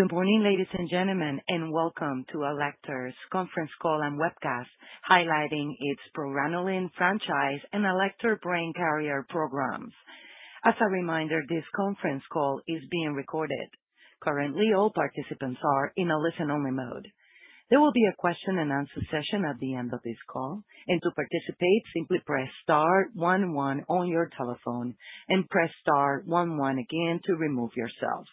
Good morning, ladies and gentlemen, and welcome to Alector's conference call and webcast highlighting its progranulin franchise and Alector Brain Carrier programs. As a reminder, this conference call is being recorded. Currently, all participants are in a listen-only mode. There will be a question-and-answer session at the end of this call, and to participate, simply press star 11 on your telephone and press star 11 again to remove yourself.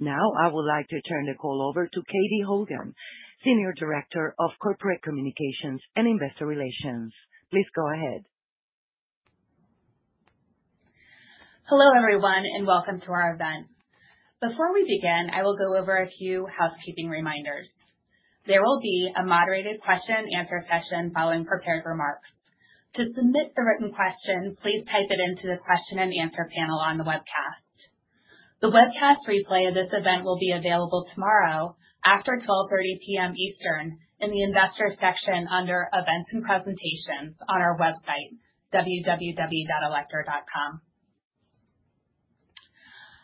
Now, I would like to turn the call over to Katie Hogan, Senior Director of Corporate Communications and Investor Relations. Please go ahead. Hello, everyone, and welcome to our event. Before we begin, I will go over a few housekeeping reminders. There will be a moderated question-and-answer session following prepared remarks. To submit the written question, please type it into the question-and-answer panel on the webcast. The webcast replay of this event will be available tomorrow after 12:30 P.M. Eastern in the Investor section under Events and Presentations on our website, www.alector.com.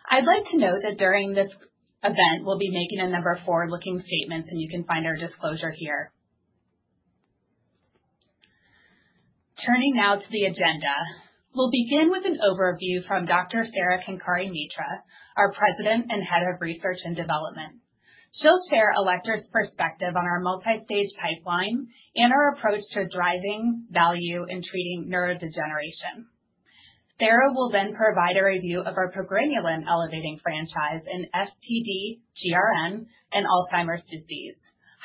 I'd like to note that during this event, we'll be making a number of forward-looking statements, and you can find our disclosure here. Turning now to the agenda, we'll begin with an overview from Dr. Sara Kenkare-Mitra, our President and Head of Research and Development. She'll share Alector's perspective on our multi-stage pipeline and our approach to driving value in treating neurodegeneration. Sara will then provide a review of our progranulin-elevating franchise in FTD-GRN and Alzheimer's disease,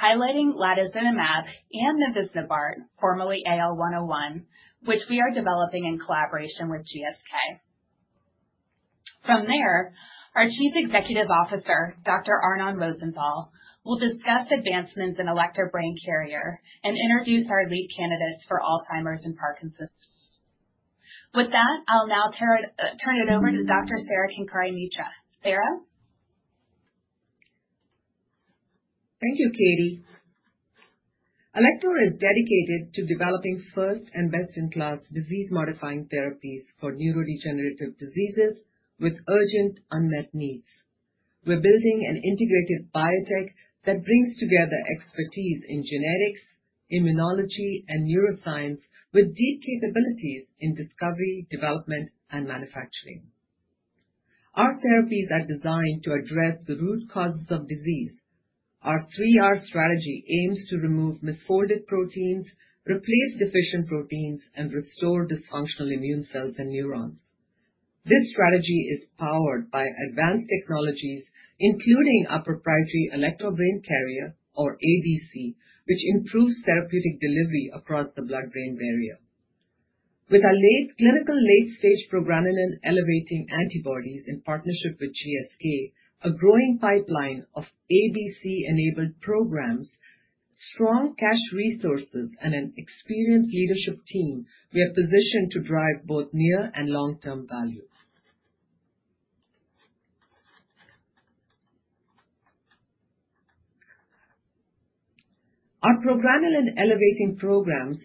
highlighting latozinemab and AL101, formerly AL-101, which we are developing in collaboration with GSK. From there, our Chief Executive Officer, Dr. Arnon Rosenthal, will discuss advancements in Alector Brain Carrier and introduce our lead candidates for Alzheimer's and Parkinson's. With that, I'll now turn it over to Dr. Sara Kenkare-Mitra. Sara? Thank you, Katie. Alector is dedicated to developing first and best-in-class disease-modifying therapies for neurodegenerative diseases with urgent unmet needs. We're building an integrated biotech that brings together expertise in genetics, immunology, and neuroscience with deep capabilities in discovery, development, and manufacturing. Our therapies are designed to address the root causes of disease. Our 3R strategy aims to remove misfolded proteins, replace deficient proteins, and restore dysfunctional immune cells and neurons. This strategy is powered by advanced technologies, including our proprietary Alector Brain Carrier, or ABC, which improves therapeutic delivery across the blood-brain barrier. With our clinical late-stage progranulin-elevating antibodies in partnership with GSK, a growing pipeline of ABC-enabled programs, strong cash resources, and an experienced leadership team, we are positioned to drive both near and long-term value. Our progranulin-elevating programs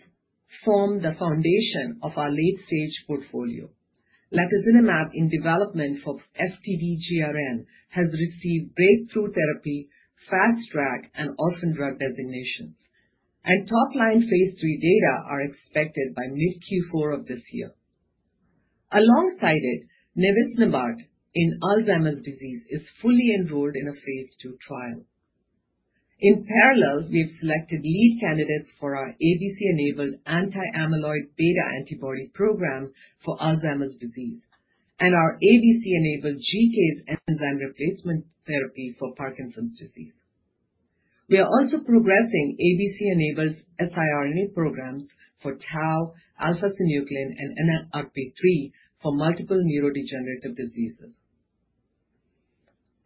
form the foundation of our late-stage portfolio. Latozinemab in development for FTD-GRN has received breakthrough therapy, fast track, and orphan drug designations, and top-line phase 3 data are expected by mid-Q4 of this year. Alongside it, AL101 in Alzheimer's disease is fully enrolled in a phase 2 trial. In parallel, we have selected lead candidates for our ABC-enabled anti-amyloid beta antibody program for Alzheimer's disease and our ABC-enabled GCase enzyme replacement therapy for Parkinson's disease. We are also progressing ABC-enabled siRNA programs for tau, alpha-synuclein, and NLRP3 for multiple neurodegenerative diseases.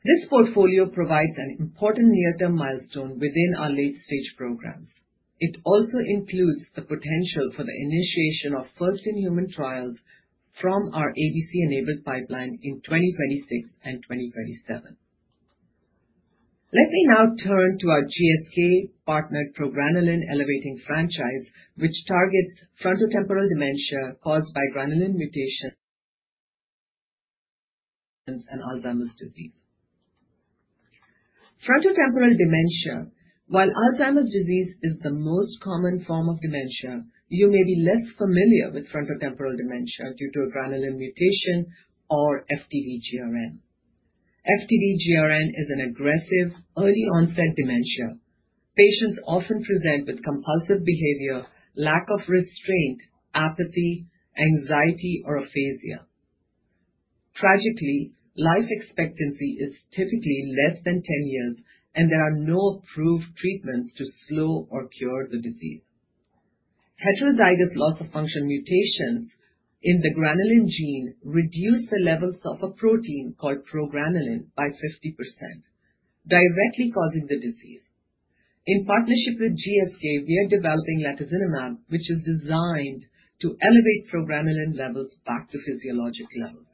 This portfolio provides an important near-term milestone within our late-stage programs. It also includes the potential for the initiation of first-in-human trials from our ABC-enabled pipeline in 2026 and 2027. Let me now turn to our GSK-partnered progranulin-elevating franchise, which targets frontotemporal dementia caused by GRN mutations in Alzheimer's disease. Frontotemporal dementia. While Alzheimer's disease is the most common form of dementia, you may be less familiar with frontotemporal dementia due to a granulin mutation or FTD-GRN. FTD-GRN is an aggressive, early-onset dementia. Patients often present with compulsive behavior, lack of restraint, apathy, anxiety, or aphasia. Tragically, life expectancy is typically less than 10 years, and there are no approved treatments to slow or cure the disease. Heterozygous loss-of-function mutations in the granulin gene reduce the levels of a protein called progranulin by 50%, directly causing the disease. In partnership with GSK, we are developing latozinemab, which is designed to elevate progranulin levels back to physiologic levels.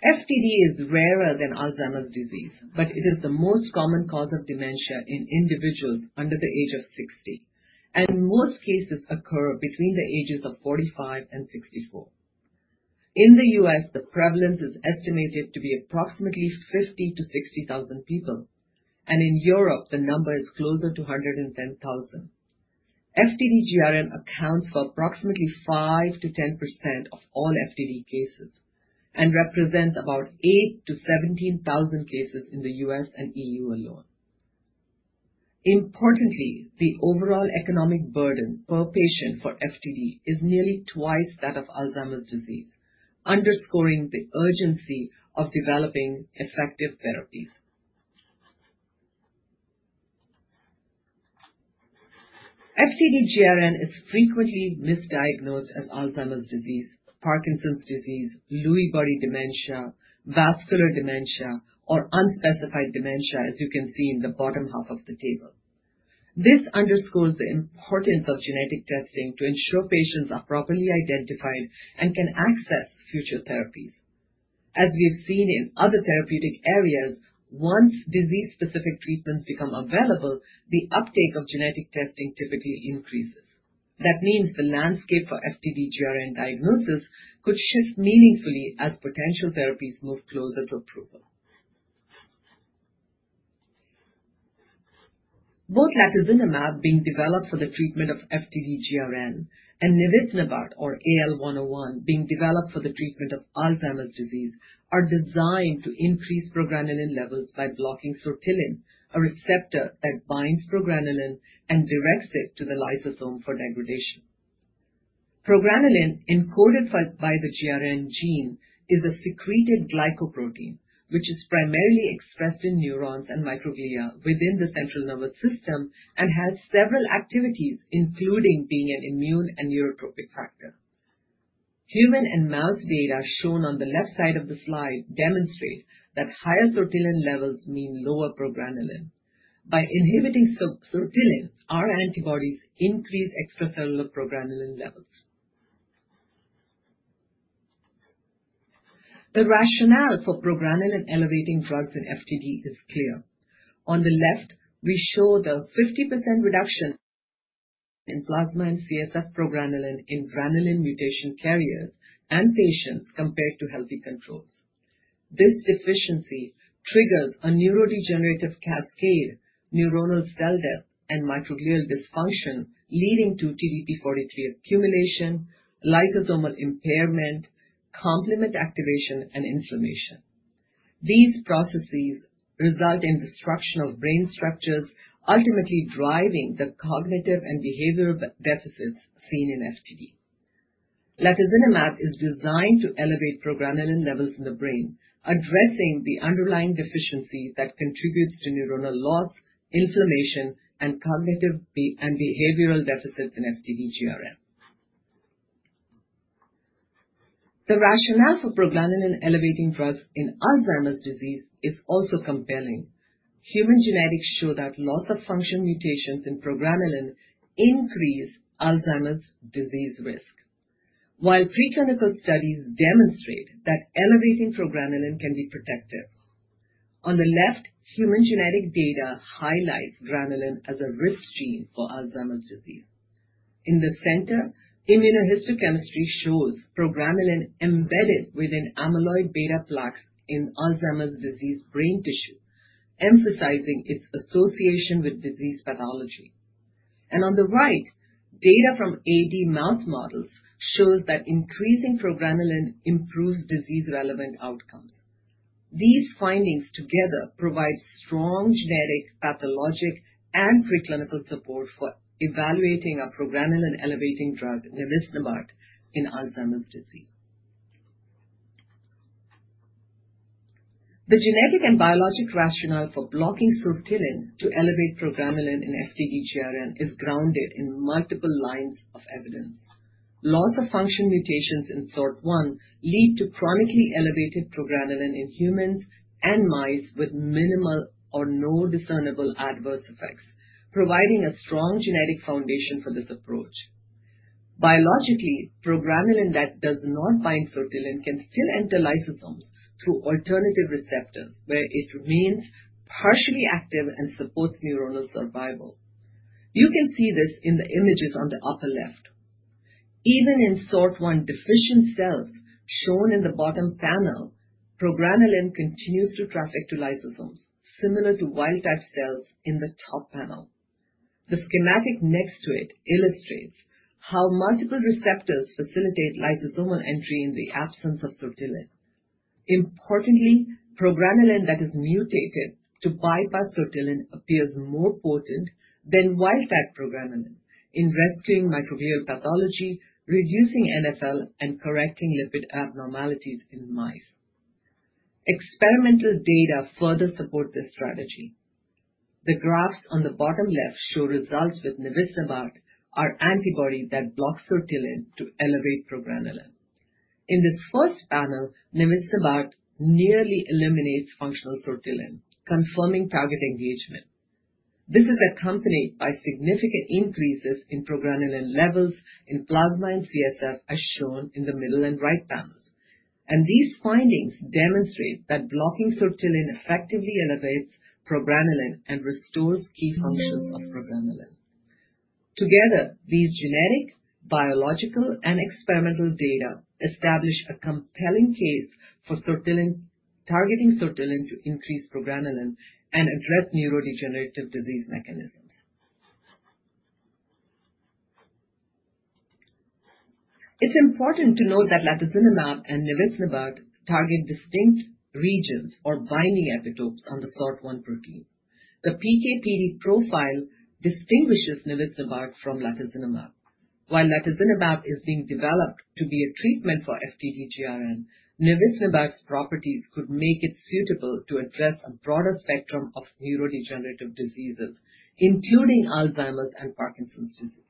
FTD is rarer than Alzheimer's disease, but it is the most common cause of dementia in individuals under the age of 60, and most cases occur between the ages of 45 and 64. In the U.S., the prevalence is estimated to be approximately 50,000 to 60,000 people, and in Europe, the number is closer to 110,000. FTD GRN accounts for approximately 5% to 10% of all FTD cases and represents about 8,000 to 17,000 cases in the U.S. and EU alone. Importantly, the overall economic burden per patient for FTD is nearly twice that of Alzheimer's disease, underscoring the urgency of developing effective therapies. FTD GRN is frequently misdiagnosed as Alzheimer's disease, Parkinson's disease, Lewy body dementia, vascular dementia, or unspecified dementia, as you can see in the bottom half of the table. This underscores the importance of genetic testing to ensure patients are properly identified and can access future therapies. As we have seen in other therapeutic areas, once disease-specific treatments become available, the uptake of genetic testing typically increases. That means the landscape for FTD-GRN diagnosis could shift meaningfully as potential therapies move closer to approval. Both latozinemab, being developed for the treatment of FTD-GRN, and AL101, or formerly AL-101, being developed for the treatment of Alzheimer's disease, are designed to increase progranulin levels by blocking sortilin, a receptor that binds progranulin and directs it to the lysosome for degradation. Progranulin, encoded by the GRN gene, is a secreted glycoprotein, which is primarily expressed in neurons and microglia within the central nervous system and has several activities, including being an immune and neurotrophic factor. Human and mouse data shown on the left side of the slide demonstrate that higher sortilin levels mean lower progranulin. By inhibiting sortilin, our antibodies increase extracellular progranulin levels. The rationale for progranulin-elevating drugs in FTD is clear. On the left, we show the 50% reduction in plasma and CSF progranulin in granulin mutation carriers and patients compared to healthy controls. This deficiency triggers a neurodegenerative cascade, neuronal cell death, and microglial dysfunction, leading to TDP-43 accumulation, lysosomal impairment, complement activation, and inflammation. These processes result in destruction of brain structures, ultimately driving the cognitive and behavioral deficits seen in FTD. Latozinemab is designed to elevate progranulin levels in the brain, addressing the underlying deficiency that contributes to neuronal loss, inflammation, and cognitive and behavioral deficits in FTD-GRN. The rationale for progranulin-elevating drugs in Alzheimer's disease is also compelling. Human genetics show that loss-of-function mutations in progranulin increase Alzheimer's disease risk, while preclinical studies demonstrate that elevating progranulin can be protective. On the left, human genetic data highlights granulin as a risk gene for Alzheimer's disease. In the center, immunohistochemistry shows progranulin embedded within amyloid beta plaques in Alzheimer's disease brain tissue, emphasizing its association with disease pathology, and on the right, data from AD mouse models shows that increasing progranulin improves disease-relevant outcomes. These findings together provide strong genetic, pathologic, and preclinical support for evaluating a progranulin-elevating drug, AL101, in Alzheimer's disease. The genetic and biologic rationale for blocking sortilin to elevate progranulin in FTD-GRN is grounded in multiple lines of evidence. Loss-of-function mutations in SORT1 lead to chronically elevated progranulin in humans and mice with minimal or no discernible adverse effects, providing a strong genetic foundation for this approach. Biologically, progranulin that does not bind sortilin can still enter lysosomes through alternative receptors, where it remains partially active and supports neuronal survival. You can see this in the images on the upper left. Even in SORT1 deficient cells shown in the bottom panel, progranulin continues to traffic to lysosomes, similar to wild-type cells in the top panel. The schematic next to it illustrates how multiple receptors facilitate lysosomal entry in the absence of sortilin. Importantly, progranulin that is mutated to bypass sortilin appears more potent than wild-type progranulin in rescuing microglial pathology, reducing NfL, and correcting lipid abnormalities in mice. Experimental data further support this strategy. The graphs on the bottom left show results with AL101, our antibody that blocks sortilin to elevate progranulin. In this first panel, AL101 nearly eliminates functional sortilin, confirming target engagement. This is accompanied by significant increases in progranulin levels in plasma and CSF, as shown in the middle and right panels, and these findings demonstrate that blocking sortilin effectively elevates progranulin and restores key functions of progranulin. Together, these genetic, biological, and experimental data establish a compelling case for targeting sortilin to increase progranulin and address neurodegenerative disease mechanisms. It's important to note that latozinemab and AL101 target distinct regions or binding epitopes on the SORT1 protein. The PKPD profile distinguishes AL101 from latozinemab. While latozinemab is being developed to be a treatment for FTD-GRN, AL101's properties could make it suitable to address a broader spectrum of neurodegenerative diseases, including Alzheimer's disease and Parkinson's disease.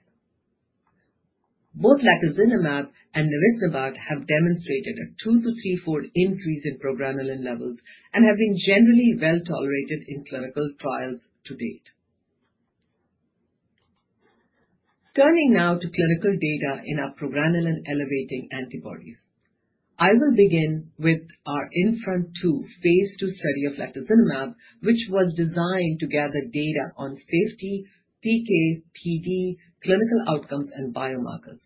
Both latozinemab and AL101 have demonstrated a two- to three-fold increase in progranulin levels and have been generally well tolerated in clinical trials to date. Turning now to clinical data in our progranulin-elevating antibodies, I will begin with our INFRONT-2 phase II study of latozinemab, which was designed to gather data on safety, PK, PD, clinical outcomes, and biomarkers.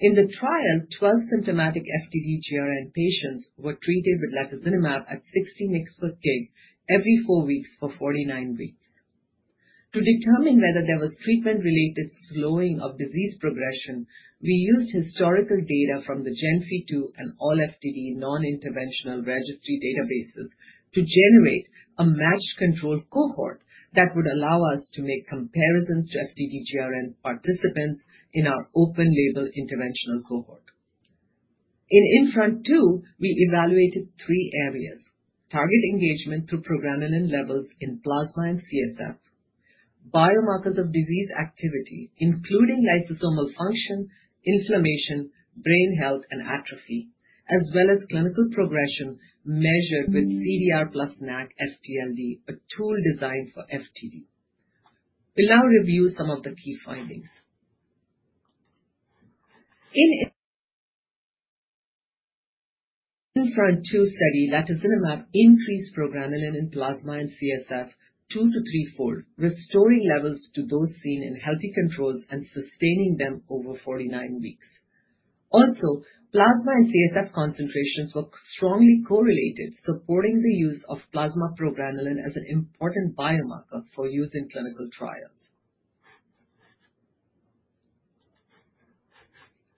In the trial, 12 symptomatic FTD-GRN patients were treated with latozinemab at 60 mg/kg every four weeks for 49 weeks. To determine whether there was treatment-related slowing of disease progression, we used historical data from the GENFI-2 and all FTD non-interventional registry databases to generate a matched control cohort that would allow us to make comparisons to FTD-GRN participants in our open-label interventional cohort. In INFRONT-2, we evaluated three areas: target engagement through progranulin levels in plasma and CSF, biomarkers of disease activity, including lysosomal function, inflammation, brain health, and atrophy, as well as clinical progression measured with CDR plus NACC FTLD, a tool designed for FTD. We'll now review some of the key findings. In INFRONT-2 study, latozinemab increased progranulin in plasma and CSF 2 to 3-fold, restoring levels to those seen in healthy controls and sustaining them over 49 weeks. Also, plasma and CSF concentrations were strongly correlated, supporting the use of plasma progranulin as an important biomarker for use in clinical trials.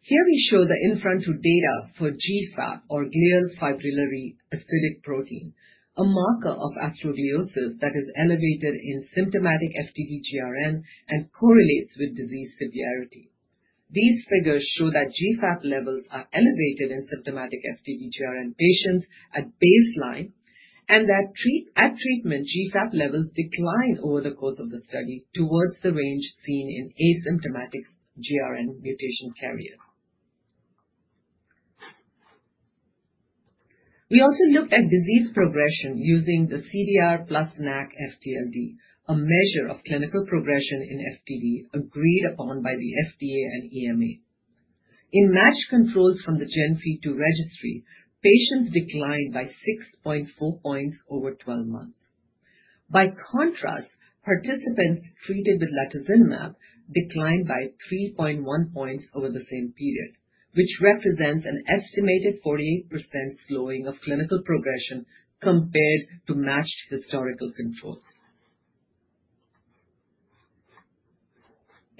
Here we show the INFRONT-2 data for GFAP, or glial fibrillary acidic protein, a marker of astrogliosis that is elevated in symptomatic FTD-GRN and correlates with disease severity. These figures show that GFAP levels are elevated in symptomatic FTD-GRN patients at baseline and that at treatment, GFAP levels decline over the course of the study towards the range seen in asymptomatic GRN mutation carriers. We also looked at disease progression using the CDR plus NACC FTLD, a measure of clinical progression in FTD agreed upon by the FDA and EMA. In matched controls from the GENFI-2 registry, patients declined by 6.4 points over 12 months. By contrast, participants treated with latozinemab declined by 3.1 points over the same period, which represents an estimated 48% slowing of clinical progression compared to matched historical controls.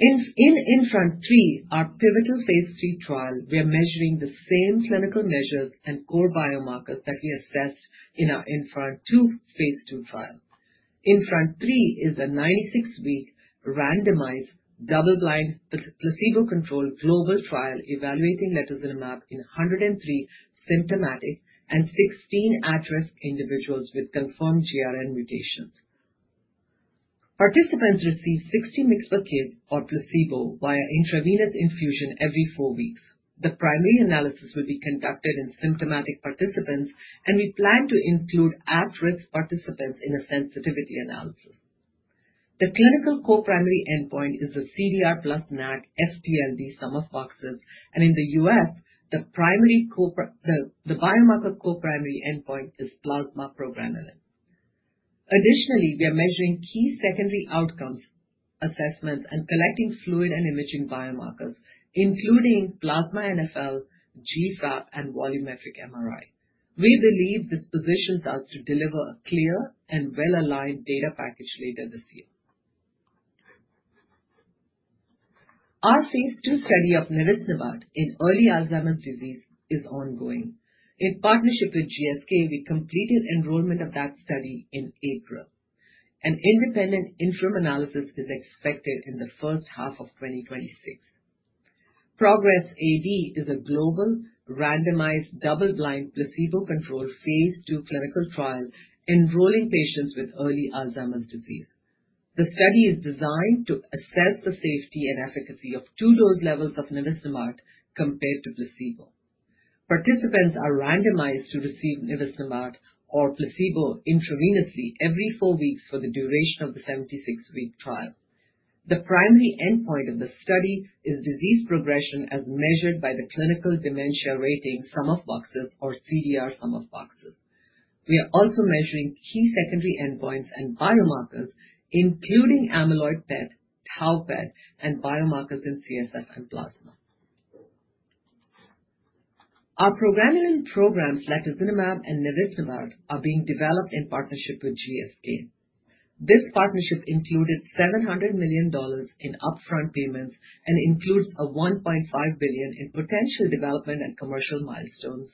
In INFRONT-3, our pivotal phase III trial, we are measuring the same clinical measures and core biomarkers that we assessed in our INFRNT-2 phase II trial. INFRONT-3 is a 96-week randomized double-blind placebo-controlled global trial evaluating latozinemab in 103 symptomatic and 16 at-risk individuals with confirmed GRN mutations. Participants receive 60 mg/kg or placebo via intravenous infusion every four weeks. The primary analysis will be conducted in symptomatic participants, and we plan to include at-risk participants in a sensitivity analysis. The clinical coprimary endpoint is the CDR plus NACC FTLD sum of boxes, and in the U.S., the biomarker coprimary endpoint is plasma progranulin. Additionally, we are measuring key secondary outcomes, assessments, and collecting fluid and imaging biomarkers, including plasma NfL, GFAP, and volumetric MRI. We believe this positions us to deliver a clear and well-aligned data package later this year. Our phase II study of Mivysnuvart in early Alzheimer's disease is ongoing. In partnership with GSK, we completed enrollment of that study in April. An independent interim analysis is expected in the first half of 2026. PROGRESS-AD is a global, randomized, double-blind placebo-controlled phase II clinical trial enrolling patients with early Alzheimer's disease. The study is designed to assess the safety and efficacy of two-dose levels of Mivysnuvart compared to placebo. Participants are randomized to receive Mivysnuvart or placebo intravenously every four weeks for the duration of the 76-week trial. The primary endpoint of the study is disease progression as measured by the clinical dementia rating sum of boxes or CDR sum of boxes. We are also measuring key secondary endpoints and biomarkers, including amyloid PET, tau PET, and biomarkers in CSF and plasma. Our progranulin programs, latozinemab and AL101, are being developed in partnership with GSK. This partnership included $700 million in upfront payments and includes a $1.5 billion in potential development and commercial milestones,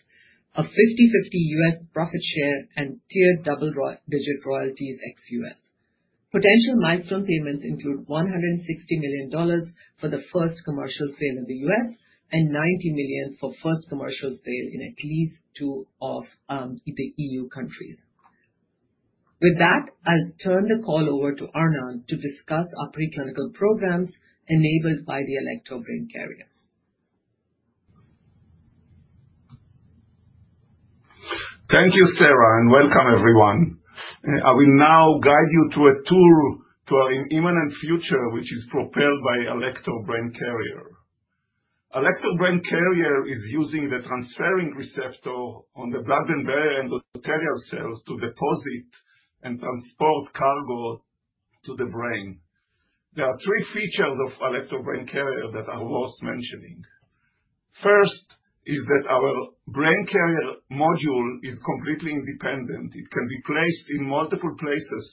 a 50/50 U.S. profit share, and tiered double-digit royalties ex-U.S. Potential milestone payments include $160 million for the first commercial sale in the U.S. and $90 million for first commercial sale in at least two of the EU countries. With that, I'll turn the call over to Arnon to discuss our preclinical programs enabled by the Alector Brain Carrier. Thank you, Sara, and welcome, everyone. I will now guide you to a tour to an imminent future, which is propelled by Alector Brain Carrier. Alector Brain Carrier is using the transferrin receptor on the blood-brain barrier endothelial cells to deposit and transport cargo to the brain. There are three features of Alector Brain Carrier that I'll first mention. First is that our brain carrier module is completely independent. It can be placed in multiple places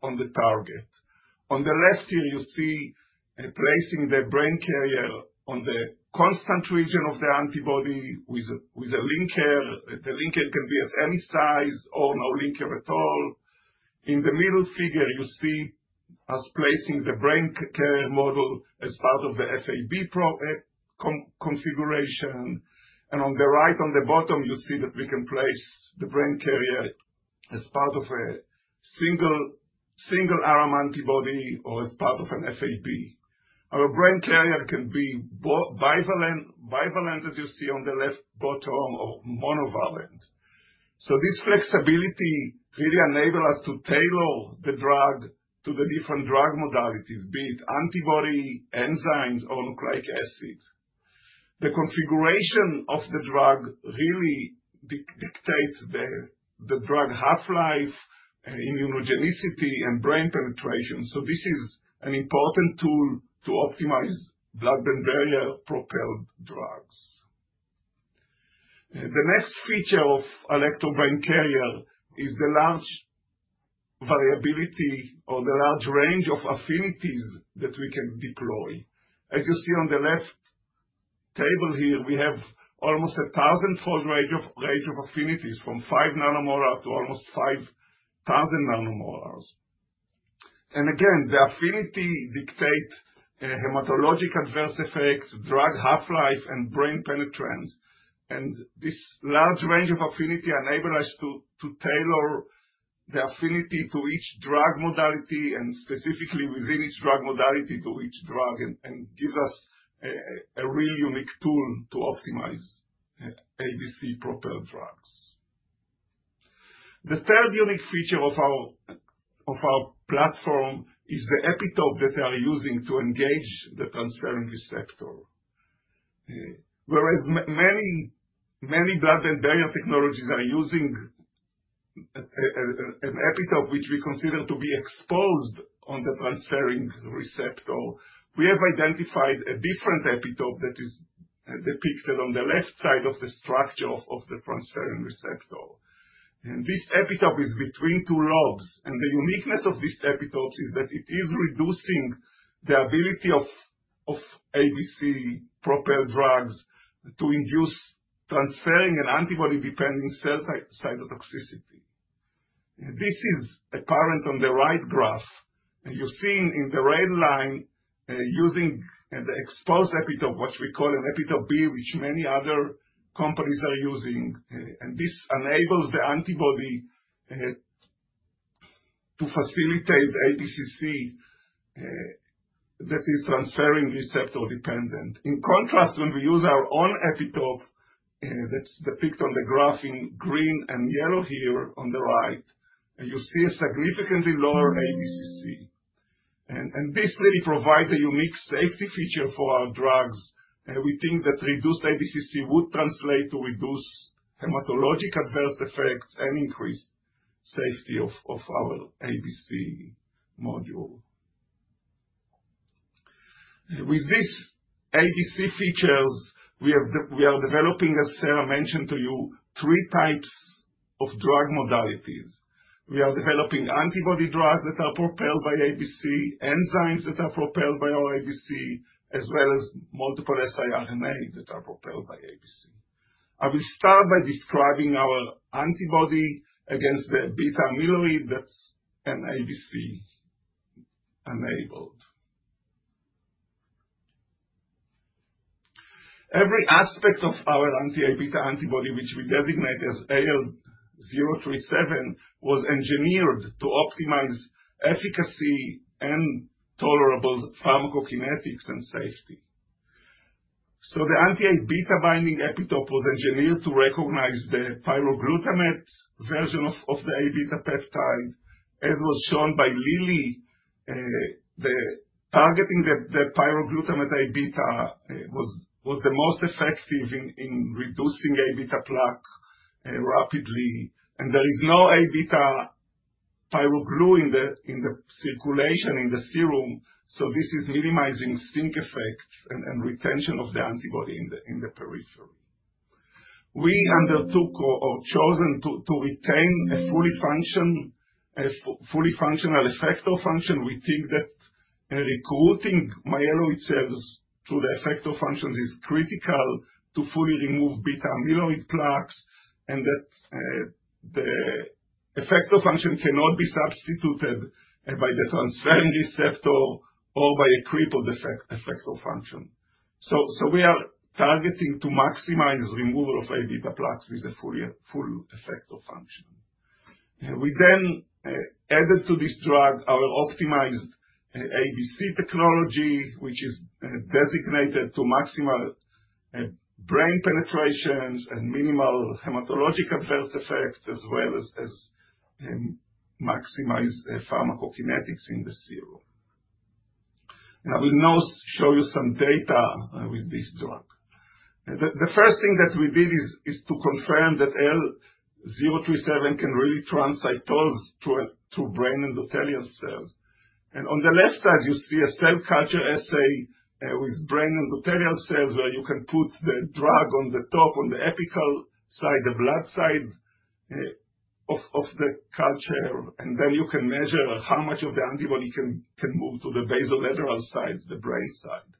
on the target. On the left here, you see placing the brain carrier on the constant region of the antibody with a linker. The linker can be of any size or no linker at all. In the middle figure, you see us placing the brain carrier module as part of the FAB configuration. On the right, on the bottom, you see that we can place the Alector Brain Carrier as part of a single RM antibody or as part of a Fab. Our Alector Brain Carrier can be bivalent, as you see on the left bottom, or monovalent. This flexibility really enables us to tailor the drug to the different drug modalities, be it antibody, enzymes, or nucleic acids. The configuration of the drug really dictates the drug half-life, immunogenicity, and brain penetration. This is an important tool to optimize blood-brain barrier-propelled drugs. The next feature of Alector Brain Carrier is the large variability or the large range of affinities that we can deploy. As you see on the left table here, we have almost a thousand-fold range of affinities from five nanomolar to almost 5,000 nanomolar. Again, the affinity dictates hematologic adverse effects, drug half-life, and brain penetrant. This large range of affinity enables us to tailor the affinity to each drug modality and specifically within each drug modality to each drug and gives us a real unique tool to optimize ABC-propelled drugs. The third unique feature of our platform is the epitope that they are using to engage the transferrin receptor. Whereas many blood-brain barrier technologies are using an epitope which we consider to be exposed on the transferrin receptor, we have identified a different epitope that is depicted on the left side of the structure of the transferrin receptor. And this epitope is between two lobes. And the uniqueness of these epitopes is that it is reducing the ability of ABC-propelled drugs to induce transferrin and antibody-dependent cellular cytotoxicity. This is apparent on the right graph. You're seeing in the red line using the exposed epitope, which we call an epitope B, which many other companies are using. This enables the antibody to facilitate ADCC that is transferrin receptor-dependent. In contrast, when we use our own epitope that's depicted on the graph in green and yellow here on the right, you see a significantly lower ADCC. This really provides a unique safety feature for our drugs. We think that reduced ADCC would translate to reduce hematologic adverse effects and increase safety of our ABC module. With these ABC features, we are developing, as Sara mentioned to you, three types of drug modalities. We are developing antibody drugs that are propelled by ABC, enzymes that are propelled by our ABC, as well as multiple siRNAs that are propelled by ABC. I will start by describing our antibody against the amyloid beta that's an ABC-enabled. Every aspect of our anti-Aβ antibody, which we designate as AL037, was engineered to optimize efficacy and tolerable pharmacokinetics and safety. The anti-Aβ binding epitope was engineered to recognize the pyroglutamate version of the Aβ peptide, as was shown by Lilly. Targeting the pyroglutamate Aβ was the most effective in reducing Aβ plaque rapidly, and there is no Aβ pyroglutamate in the circulation in the serum. This is minimizing systemic effects and retention of the antibody in the periphery. We undertook or chose to retain a fully functional effector function. We think that recruiting myeloid cells through the effector functions is critical to fully remove beta amyloid plaques and that the effector function cannot be substituted by the transferrin receptor or by a crippled effector function. We are targeting to maximize removal of Aβ plaques with a full effector function. We then added to this drug our optimized ABC technology, which is designated to maximize brain penetrations and minimal hematologic adverse effects, as well as maximize pharmacokinetics in the serum. I will now show you some data with this drug. The first thing that we did is to confirm that AL037 can really transcytose through brain endothelial cells, and on the left side, you see a cell culture assay with brain endothelial cells where you can put the drug on the top, on the apical side, the blood side of the culture, and then you can measure how much of the antibody can move to the basolateral side, the brain side.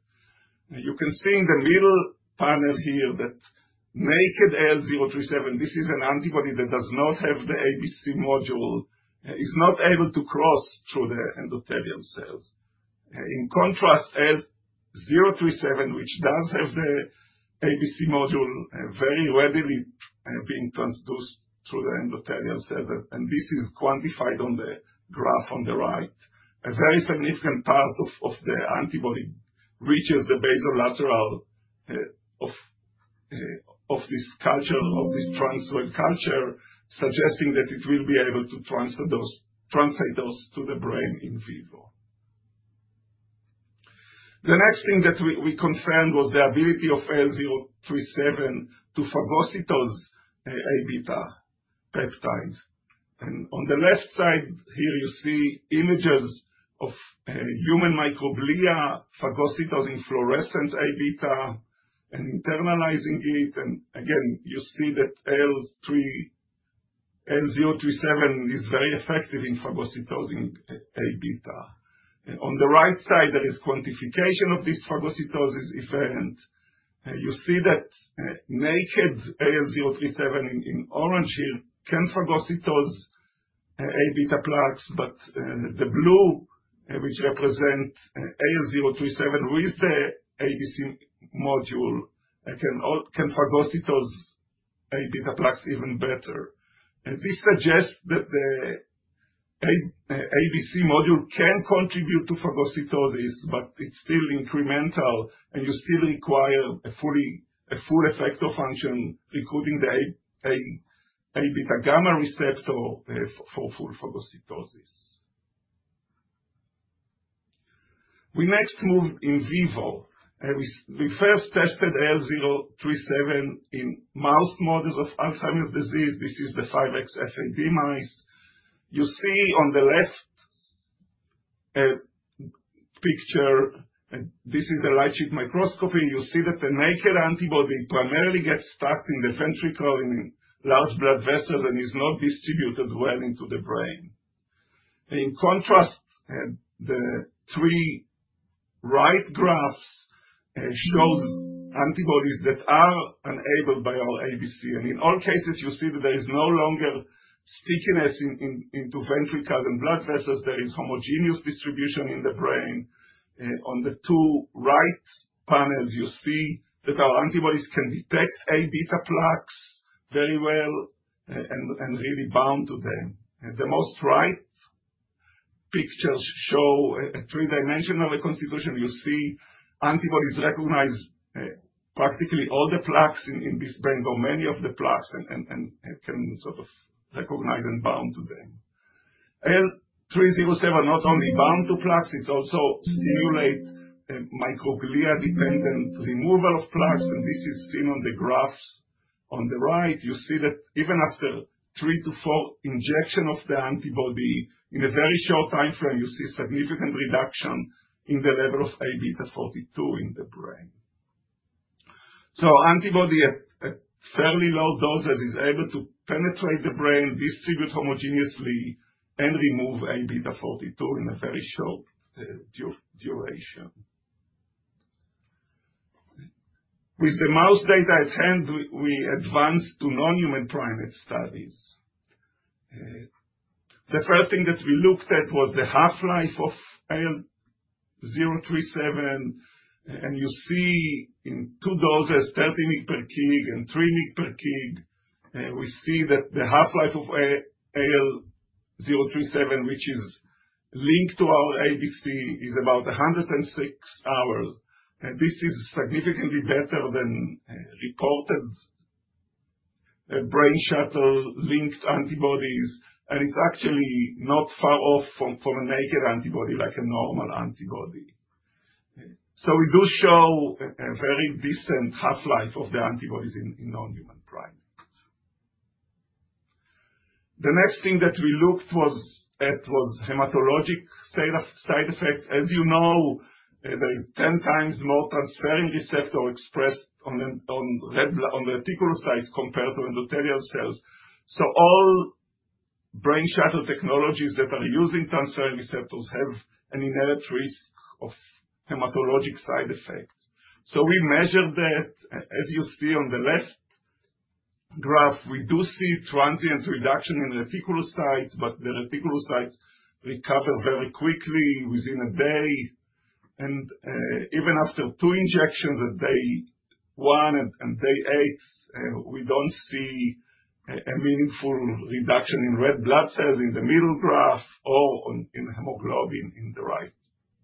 You can see in the middle panel here that naked AL037, this is an antibody that does not have the ABC module, is not able to cross through the endothelial cells. In contrast, AL037, which does have the ABC module, very readily being transduced through the endothelial cells, and this is quantified on the graph on the right. A very significant part of the antibody reaches the basolateral of this culture, of this transfer culture, suggesting that it will be able to translate those to the brain in vivo. The next thing that we confirmed was the ability of AL037 to phagocytose those Aβ peptides, and on the left side here, you see images of human microglia, phagocytosing fluorescent Aβ and internalizing it, and again, you see that AL037 is very effective in phagocytosing Aβ. On the right side, there is quantification of this phagocytosis event. You see that naked AL037 in orange here can phagocytose those Aβ plaques, but the blue, which represents AL037 with the ABC module, can phagocytose those Aβ plaques even better. This suggests that the ABC module can contribute to phagocytosis, but it's still incremental, and you still require a full effector function including the Fc gamma receptor for full phagocytosis. We next moved in vivo. We first tested AL037 in mouse models of Alzheimer's disease. This is the 5XFAD mice. You see on the left picture, this is the light sheet microscopy. You see that the naked antibody primarily gets stuck in the ventricle and in large blood vessels and is not distributed well into the brain. In contrast, the three right graphs show antibodies that are enabled by our ABC. In all cases, you see that there is no longer stickiness into ventricles and blood vessels. There is homogeneous distribution in the brain. On the two right panels, you see that our antibodies can detect Aβ plaques very well and really bound to them. The rightmost pictures show a three-dimensional reconstitution. You see antibodies recognize practically all the plaques in this brain or many of the plaques and can sort of recognize and bind to them. AL037 not only bound to plaques, it also stimulates microglia-dependent removal of plaques, and this is seen on the graphs on the right. You see that even after three to four injections of the antibody, in a very short time frame, you see significant reduction in the level of Aβ42 in the brain, so antibody at fairly low doses is able to penetrate the brain, distribute homogeneously, and remove Aβ42 in a very short duration. With the mouse data at hand, we advanced to non-human primate studies. The first thing that we looked at was the half-life of AL037. You see in two doses, 30 mg per kg and 3 mg per kg, we see that the half-life of AL037, which is linked to our ABC, is about 106 hours. This is significantly better than reported brain shuttle-linked antibodies. It's actually not far off from a naked antibody like a normal antibody. We do show a very decent half-life of the antibodies in non-human primates. The next thing that we looked at was hematologic side effects. As you know, there are 10 times more transferrin receptors expressed on the reticulocytes compared to endothelial cells. All brain shuttle technologies that are using transferrin receptors have an inherent risk of hematologic side effects. We measured that. As you see on the left graph, we do see transient reduction in reticulocytes, but the reticulocytes recover very quickly within a day. Even after two injections at day one and day eight, we don't see a meaningful reduction in red blood cells in the middle graph or in hemoglobin in the right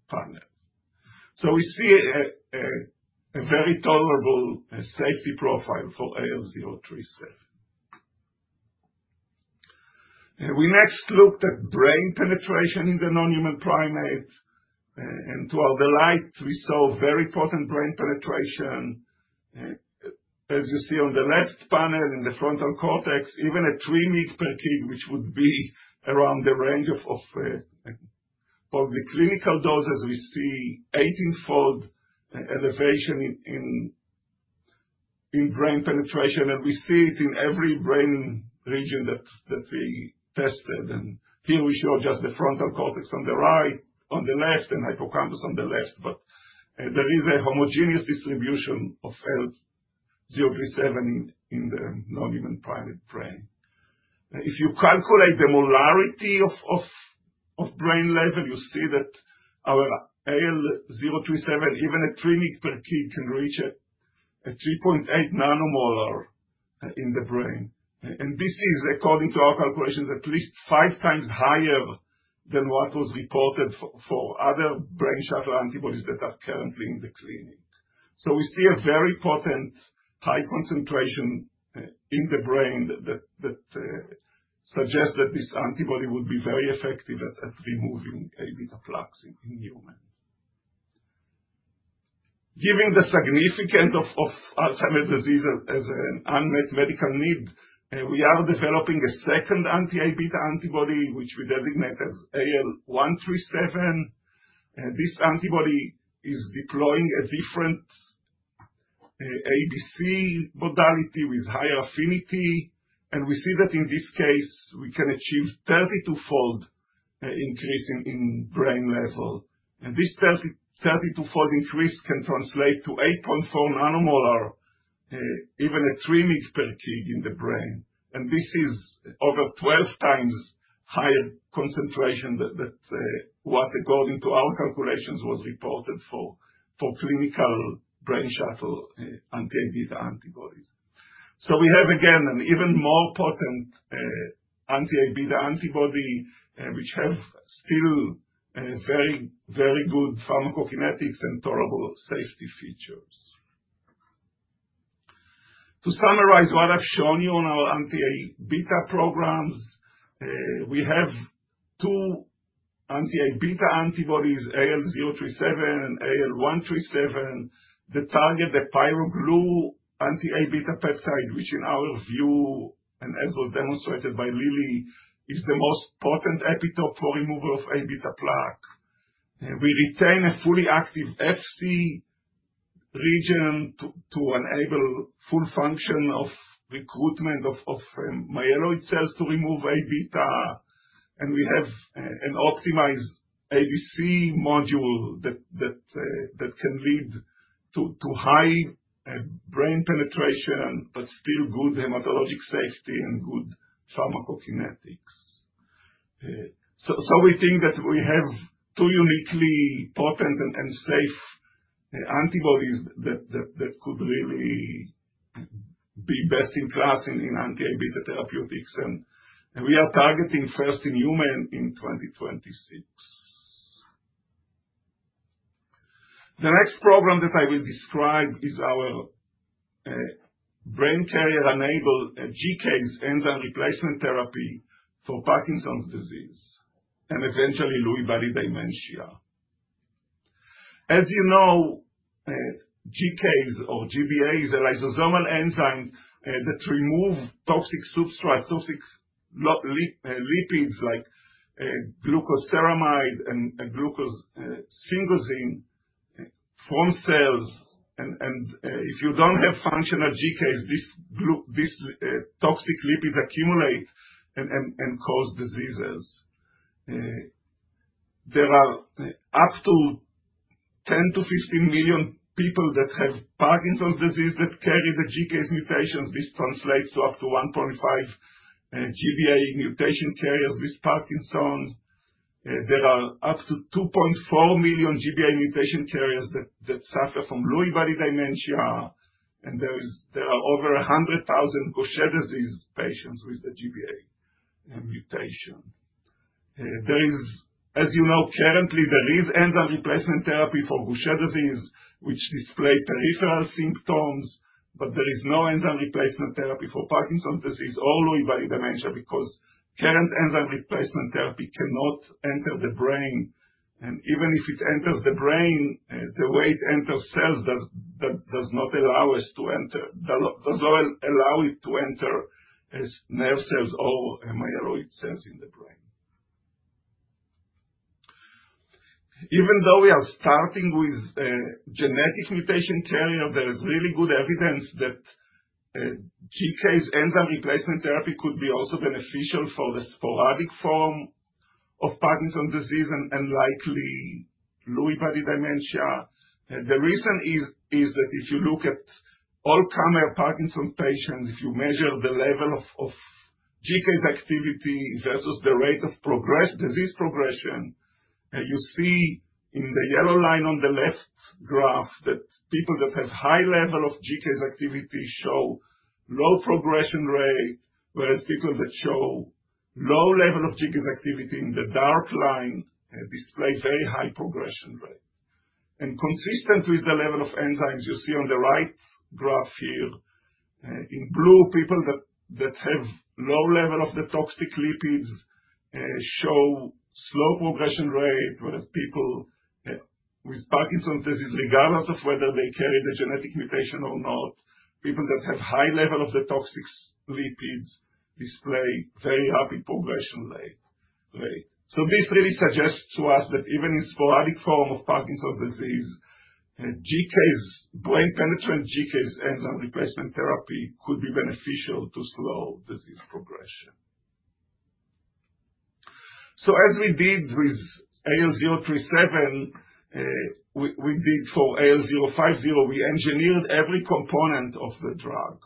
panel. We see a very tolerable safety profile for AL037. We next looked at brain penetration in the non-human primates. To our delight, we saw very potent brain penetration. As you see on the left panel in the frontal cortex, even at three mg per kg, which would be around the range of all the clinical doses, we see 18-fold elevation in brain penetration. We see it in every brain region that we tested. Here we show just the frontal cortex on the right, on the left, and hippocampus on the left. There is a homogeneous distribution of AL037 in the non-human primate brain. If you calculate the molarity of brain level, you see that our AL037, even at 3 mg per kg, can reach a 3.8 nanomolar in the brain, and this is, according to our calculations, at least five times higher than what was reported for other brain shuttle antibodies that are currently in the clinic, so we see a very potent high concentration in the brain that suggests that this antibody would be very effective at removing Aβ plaques in humans. Given the significance of Alzheimer's disease as an unmet medical need, we are developing a second anti-Aβ antibody, which we designate as AL137. This antibody is deploying a different ABC modality with higher affinity, and we see that in this case, we can achieve 32-fold increase in brain level, and this 32-fold increase can translate to 8.4 nanomolar, even at 3 mg per kg in the brain. This is over 12 times higher concentration than what, according to our calculations, was reported for clinical brain shuttle anti-Aβ antibodies. We have, again, an even more potent anti-Aβ antibody, which has still very, very good pharmacokinetics and tolerable safety features. To summarize what I've shown you on our anti-Aβ programs, we have two anti-Aβ antibodies, AL037 and AL137, that target the pyroglutamate anti-Aβ peptide, which in our view, and as was demonstrated by Lilly, is the most potent epitope for removal of Aβ plaque. We retain a fully active Fc region to enable full function of recruitment of myeloid cells to remove Aβ. We have an optimized ABC module that can lead to high brain penetration, but still good hematologic safety and good pharmacokinetics. We think that we have two uniquely potent and safe antibodies that could really be best in class in anti-Aβ therapeutics. We are targeting first in human in 2026. The next program that I will describe is our brain carrier-enabled GCase enzyme replacement therapy for Parkinson's disease and eventually Lewy body dementia. As you know, GCase or GBAs are lysosomal enzymes that remove toxic substrates, toxic lipids like glucosylceramide and glucosylsphingosine from cells. And if you don't have functional GCase, these toxic lipids accumulate and cause diseases. There are up to 10-15 million people that have Parkinson's disease that carry the GCase mutations. This translates to up to 1.5 GBA mutation carriers with Parkinson's. There are up to 2.4 million GBA mutation carriers that suffer from Lewy body dementia. And there are over 100,000 Gaucher disease patients with the GBA mutation. As you know, currently, there is enzyme replacement therapy for Gaucher disease, which displays peripheral symptoms. There is no enzyme replacement therapy for Parkinson's disease or Lewy body dementia because current enzyme replacement therapy cannot enter the brain. Even if it enters the brain, the way it enters cells does not allow us to enter. It does not allow it to enter nerve cells or myeloid cells in the brain. Even though we are starting with genetic mutation carrier, there is really good evidence that GCase enzyme replacement therapy could be also beneficial for the sporadic form of Parkinson's disease and likely Lewy body dementia. The reason is that if you look at all primary Parkinson's patients, if you measure the level of GCase activity versus the rate of disease progression, you see in the yellow line on the left graph that people that have high level of GCase activity show low progression rate, whereas people that show low level of GCase activity in the dark line display very high progression rate, and consistent with the level of enzymes you see on the right graph here, in blue, people that have low level of the toxic lipids show slow progression rate, whereas people with Parkinson's disease, regardless of whether they carry the genetic mutation or not, people that have high level of the toxic lipids display very rapid progression rate. So this really suggests to us that even in sporadic form of Parkinson's disease, brain-penetrating GCase enzyme replacement therapy could be beneficial to slow disease progression. So as we did with AL037, we did for AL050, we engineered every component of the drug.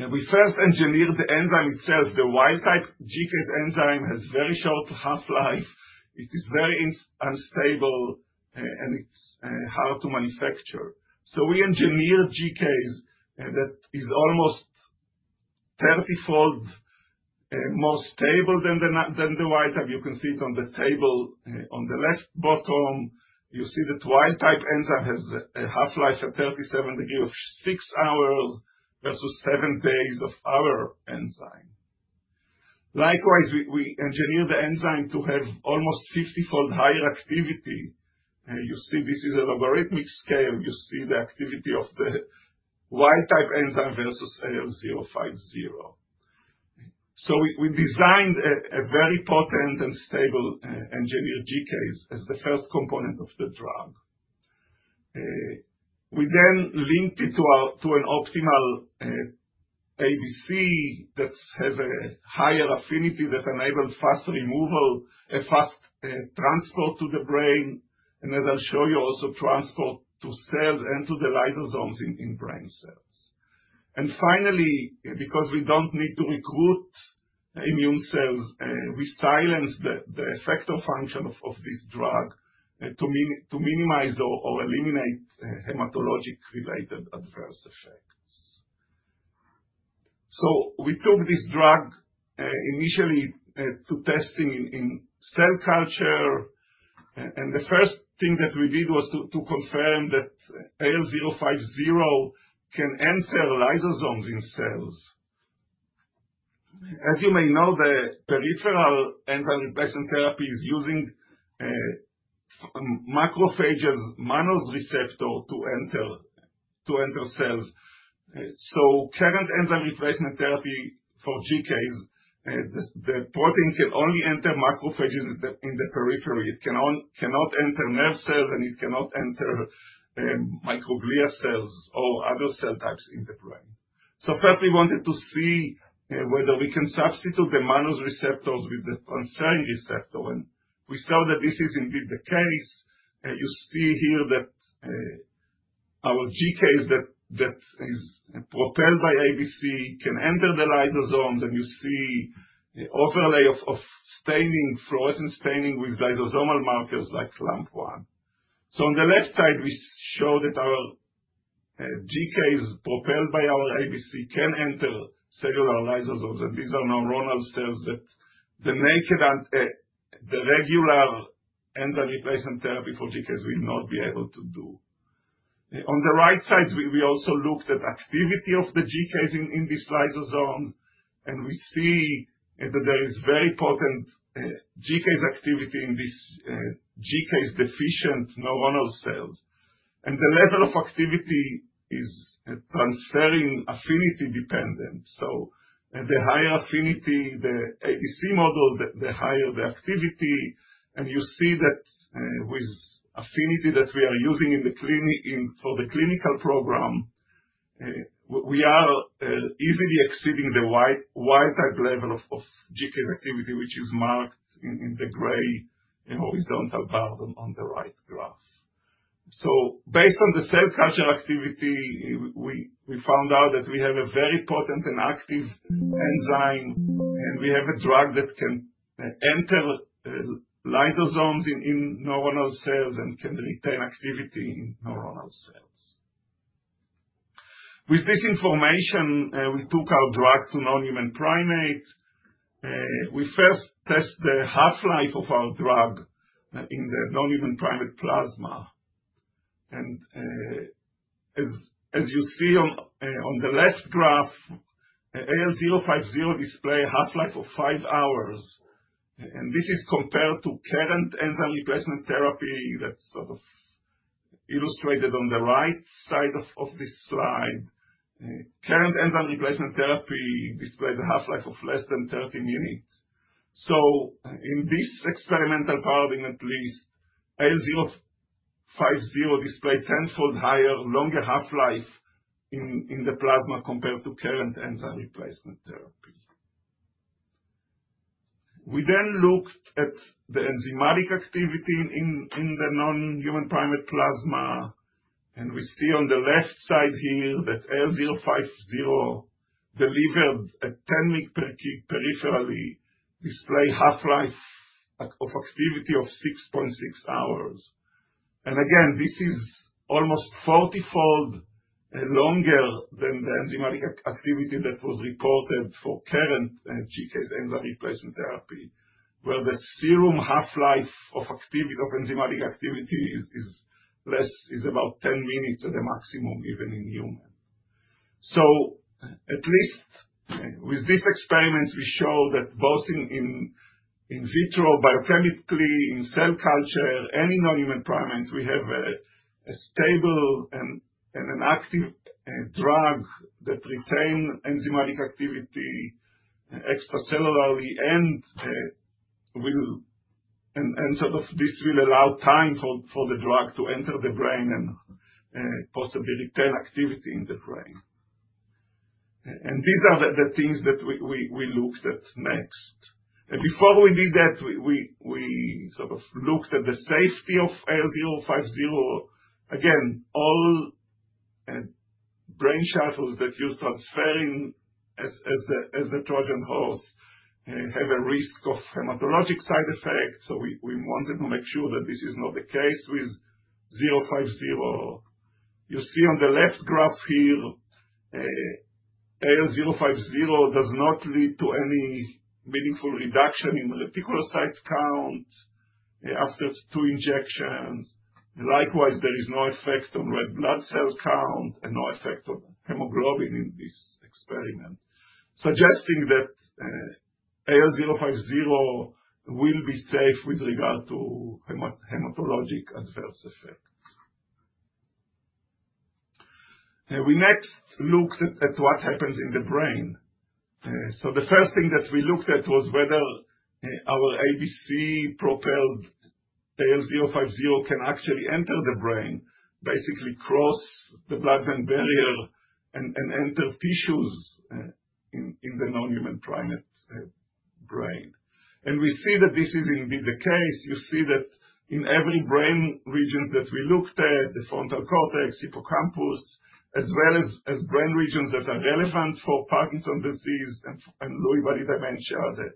We first engineered the enzyme itself. The wild-type GCase enzyme has very short half-life. It is very unstable, and it's hard to manufacture. So we engineered GCase that are almost 30-fold more stable than the wild-type. You can see it on the table. On the left bottom, you see that wild-type enzyme has a half-life at 37 degrees of six hours versus seven days of our enzyme. Likewise, we engineered the enzyme to have almost 50-fold higher activity. You see this is a logarithmic scale. You see the activity of the wild-type enzyme versus AL050. We designed a very potent and stable engineered GCase as the first component of the drug. We then linked it to an optimal ABC that has a higher affinity that enabled fast removal, a fast transport to the brain. As I'll show you also, transport to cells and to the lysosomes in brain cells. Finally, because we don't need to recruit immune cells, we silenced the effect of function of this drug to minimize or eliminate hematologic-related adverse effects. We took this drug initially to testing in cell culture. The first thing that we did was to confirm that AL050 can enter lysosomes in cells. As you may know, the peripheral enzyme replacement therapy is using macrophages' mannose receptor to enter cells. Current enzyme replacement therapy for GCase, the protein can only enter macrophages in the periphery. It cannot enter nerve cells, and it cannot enter microglia cells or other cell types in the brain. So first, we wanted to see whether we can substitute the mannose receptors with the transferrin receptor. And we saw that this is indeed the case. You see here that our GCase that is propelled by ABC can enter the lysosomes. And you see overlay of fluorescent staining with lysosomal markers like LAMP1. So on the left side, we show that our GCase propelled by our ABC can enter cellular lysosomes. And these are neuronal cells that the regular enzyme replacement therapy for GCase will not be able to do. On the right side, we also looked at activity of the GCase in this lysosome. And we see that there is very potent GCase activity in these GCase-deficient neuronal cells. And the level of activity is transferrin affinity dependent. So the higher affinity the ABC model, the higher the activity. And you see that with affinity that we are using for the clinical program, we are easily exceeding the wild-type level of GCase activity, which is marked in the gray horizontal bar on the right graph. So based on the cell culture activity, we found out that we have a very potent and active enzyme. And we have a drug that can enter lysosomes in neuronal cells and can retain activity in neuronal cells. With this information, we took our drug to non-human primates. We first tested the half-life of our drug in the non-human primate plasma. And as you see on the left graph, AL050 displays a half-life of five hours. And this is compared to current enzyme replacement therapy that's sort of illustrated on the right side of this slide. Current enzyme replacement therapy displays a half-life of less than 30 minutes. So in this experimental paradigm, at least, AL050 displays 10-fold higher, longer half-life in the plasma compared to current enzyme replacement therapy. We then looked at the enzymatic activity in the non-human primate plasma. And we see on the left side here that AL050 delivered a 10-week peripherally displayed half-life of activity of 6.6 hours. And again, this is almost 40-fold longer than the enzymatic activity that was reported for current enzyme replacement therapy, where the serum half-life of enzymatic activity is about 10 minutes at a maximum, even in humans. So at least with these experiments, we show that both in vitro, biochemically, in cell culture, and in non-human primates, we have a stable and an active drug that retains enzymatic activity extracellularly. This will allow time for the drug to enter the brain and possibly retain activity in the brain. These are the things that we looked at next. Before we did that, we sort of looked at the safety of AL050. Again, all brain shuttles that use transferrin as the Trojan horse have a risk of hematologic side effects. So we wanted to make sure that this is not the case with 050. You see on the left graph here, AL050 does not lead to any meaningful reduction in reticulocyte count after two injections. Likewise, there is no effect on red blood cell count and no effect on hemoglobin in this experiment, suggesting that AL050 will be safe with regard to hematologic adverse effects. We next looked at what happens in the brain. The first thing that we looked at was whether our ABC-propelled AL050 can actually enter the brain, basically cross the blood-brain barrier and enter tissues in the non-human primate brain. We see that this is indeed the case. You see that in every brain region that we looked at, the frontal cortex, hippocampus, as well as brain regions that are relevant for Parkinson's disease and Lewy body dementia, the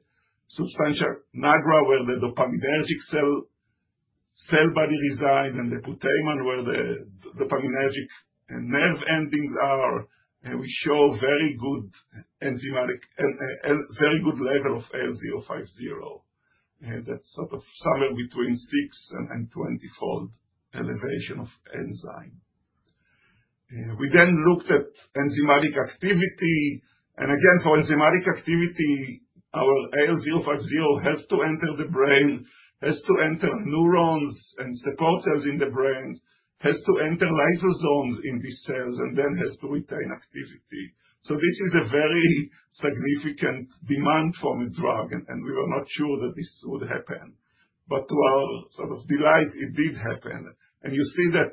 substantia nigra, where the dopaminergic cell body resides, and the putamen, where the dopaminergic nerve endings are. We show a very good level of AL050 that's sort of somewhere between six and 20-fold elevation of enzyme. We then looked at enzymatic activity. Again, for enzymatic activity, our AL050 has to enter the brain, has to enter neurons and support cells in the brain, has to enter lysosomes in these cells, and then has to retain activity. This is a very significant demand for a drug. We were not sure that this would happen. But to our sort of delight, it did happen. You see that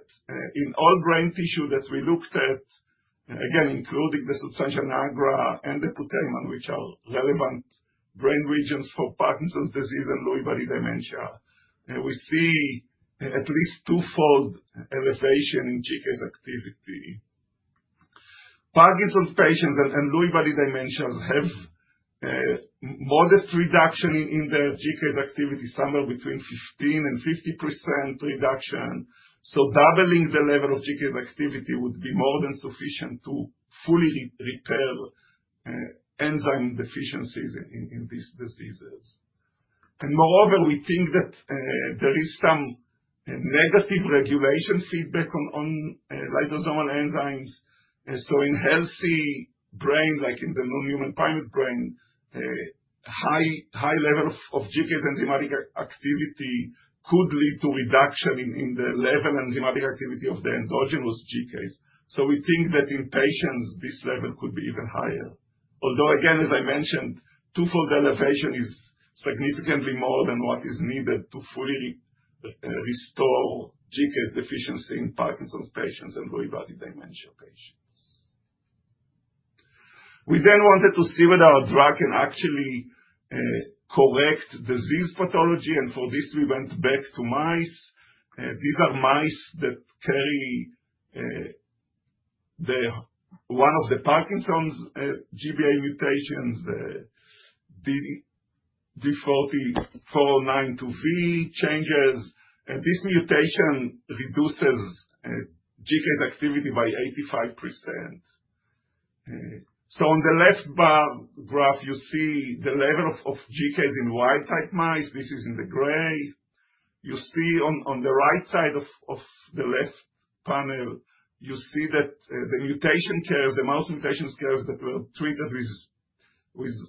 in all brain tissue that we looked at, again, including the substantia nigra and the putamen, which are relevant brain regions for Parkinson's disease and Lewy body dementia. We see at least twofold elevation in GCase activity. Parkinson's patients and Lewy body dementias have modest reduction in their GCase activity, somewhere between 15%-50% reduction. Doubling the level of GCase activity would be more than sufficient to fully repair enzyme deficiencies in these diseases. Moreover, we think that there is some negative regulation feedback on lysosomal enzymes. In healthy brains, like in the non-human primate brain, a high level of GCase enzymatic activity could lead to reduction in the level enzymatic activity of the endogenous GCase. We think that in patients, this level could be even higher. Although, again, as I mentioned, twofold elevation is significantly more than what is needed to fully restore GCase deficiency in Parkinson's patients and Lewy body dementia patients. We then wanted to see whether our drug can actually correct disease pathology. For this, we went back to mice. These are mice that carry one of the Parkinson's GBA mutations, D4092V changes. This mutation reduces GCase activity by 85%. On the left bar graph, you see the level of GCase in wild-type mice. This is in the gray. You see on the right side of the left panel. You see that the mouse mutation models that were treated with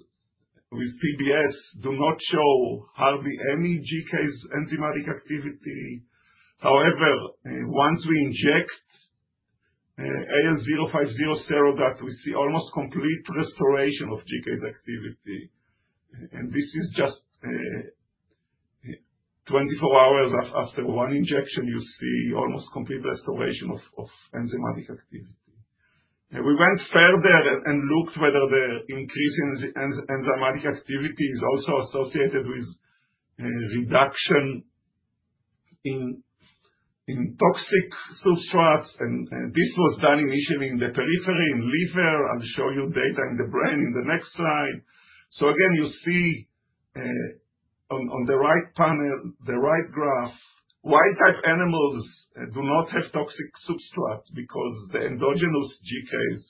TBS do not show hardly any GCase enzymatic activity. However, once we inject AL050 surrogate, we see almost complete restoration of GCase activity. This is just 24 hours after one injection. You see almost complete restoration of enzymatic activity. We went further and looked whether the increase in enzymatic activity is also associated with reduction in toxic substrates. This was done initially in the periphery, in liver. I'll show you data in the brain in the next slide. Again, you see on the right panel, the right graph. Wild-type animals do not have toxic substrates because the endogenous GCase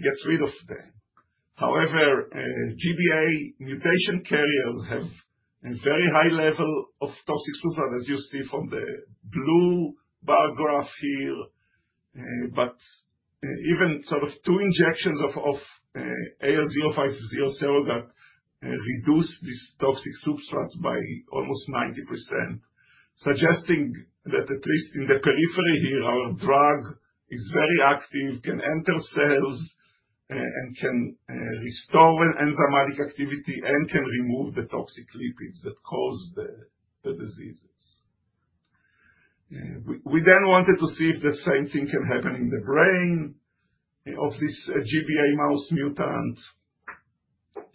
get rid of them. However, GBA mutation carriers have a very high level of toxic substrates, as you see from the blue bar graph here. But even sort of two injections of AL050 surrogate reduced these toxic substrates by almost 90%, suggesting that at least in the periphery here, our drug is very active, can enter cells, and can restore enzymatic activity, and can remove the toxic lipids that cause the diseases. We then wanted to see if the same thing can happen in the brain of this GBA mouse mutant.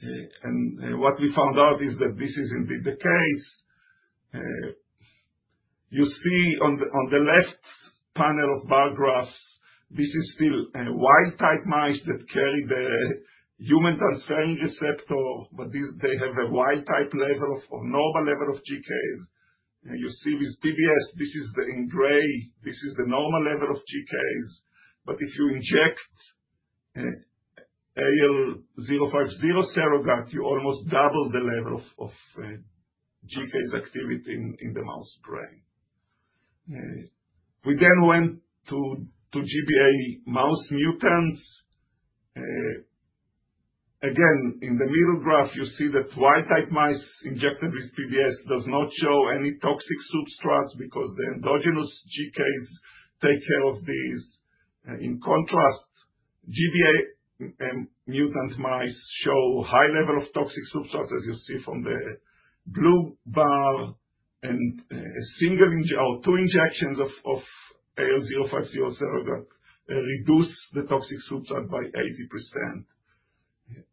And what we found out is that this is indeed the case. You see on the left panel of bar graphs, this is still a wild-type mice that carry the human transferrin receptor. But they have a wild-type level of normal level of GCase. And you see with TBS, this is in gray. This is the normal level of GCase. But if you inject AL050 surrogate, you almost double the level of GCase activity in the mouse brain. We then went to GBA mouse mutants. Again, in the middle graph, you see that wild-type mice injected with TBS does not show any toxic substrates because the endogenous GCase take care of these. In contrast, GBA mutant mice show a high level of toxic substrates, as you see from the blue bar. And two injections of AL050 surrogate reduce the toxic substrate by 80%.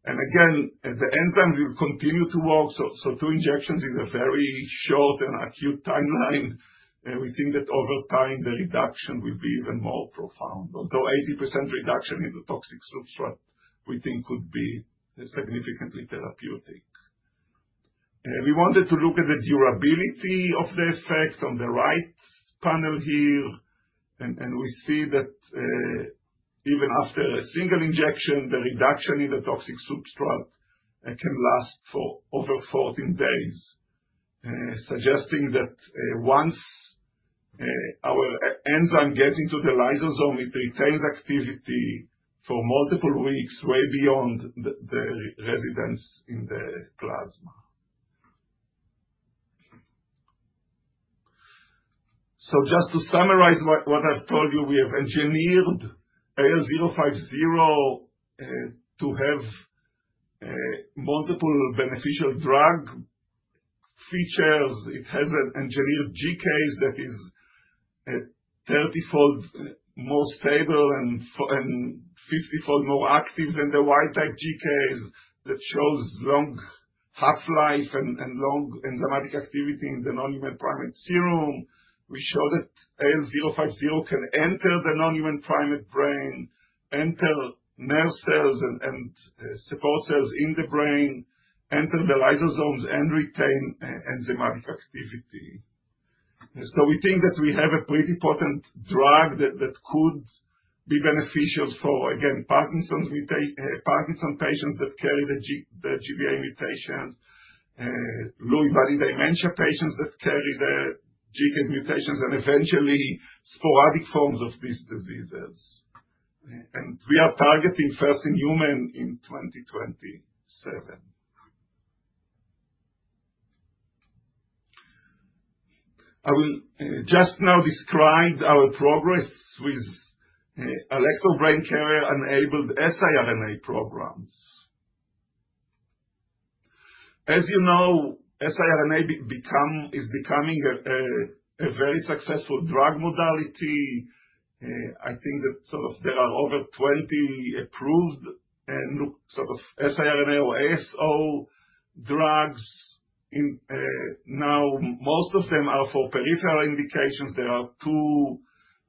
And again, the enzyme will continue to work. So two injections is a very short and acute timeline. And we think that over time, the reduction will be even more profound. Although 80% reduction in the toxic substrate, we think could be significantly therapeutic. We wanted to look at the durability of the effect on the right panel here. We see that even after a single injection, the reduction in the toxic substrate can last for over 14 days, suggesting that once our enzyme gets into the lysosome, it retains activity for multiple weeks, way beyond the residence in the plasma. Just to summarize what I've told you, we have engineered AL050 to have multiple beneficial drug features. It has engineered GCase that are 30-fold more stable and 50-fold more active than the wild-type GCase that show long half-life and long enzymatic activity in the non-human primate serum. We show that AL050 can enter the non-human primate brain, enter nerve cells and support cells in the brain, enter the lysosomes, and retain enzymatic activity. We think that we have a pretty potent drug that could be beneficial for, again, Parkinson's patients that carry the GBA mutations, Lewy body dementia patients that carry the GBA mutations, and eventually sporadic forms of these diseases. We are targeting first in human in 2027. I will just now describe our progress with Alector Brain Carrier-enabled siRNA programs. As you know, siRNA is becoming a very successful drug modality. I think that sort of there are over 20 approved sort of siRNA or ASO drugs. Now, most of them are for peripheral indications. There are two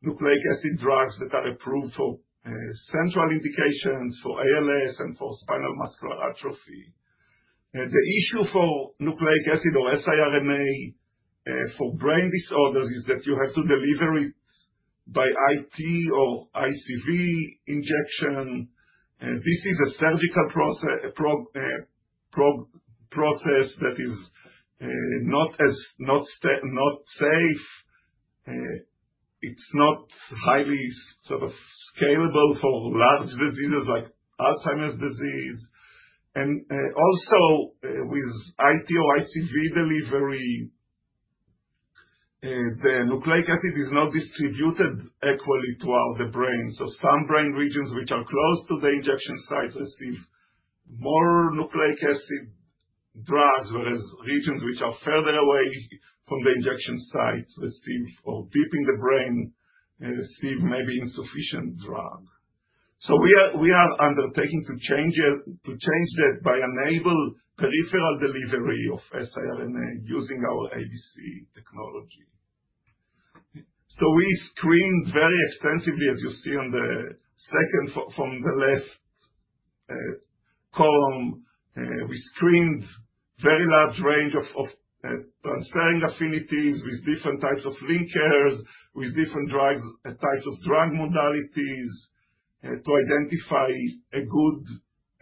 nucleic acid drugs that are approved for central indications, for ALS and for spinal muscular atrophy. The issue for nucleic acid or siRNA for brain disorders is that you have to deliver it by IT or ICV injection. This is a surgical process that is not safe. It's not highly sort of scalable for large diseases like Alzheimer's disease, and also, with IT or ICV delivery, the nucleic acid is not distributed equally throughout the brain, so some brain regions which are close to the injection sites receive more nucleic acid drugs, whereas regions which are further away from the injection sites receive or deep in the brain receive maybe insufficient drug, so we are undertaking to change that by enabling peripheral delivery of siRNA using our ABC technology, so we screened very extensively, as you see on the second from the left column, we screened a very large range of transferrin affinities with different types of linkers, with different types of drug modalities to identify a good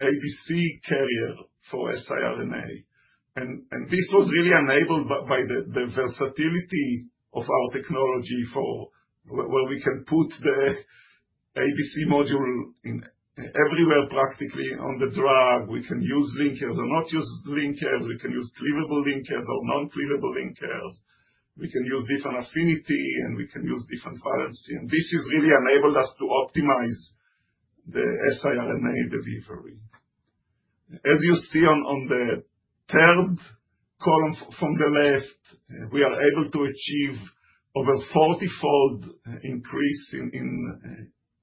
ABC carrier for siRNA, and this was really enabled by the versatility of our technology where we can put the ABC module everywhere practically on the drug. We can use linkers or not use linkers. We can use cleavable linkers or non-cleavable linkers. We can use different affinity, and we can use different valency. And this has really enabled us to optimize the siRNA delivery. As you see on the third column from the left, we are able to achieve over 40-fold increase in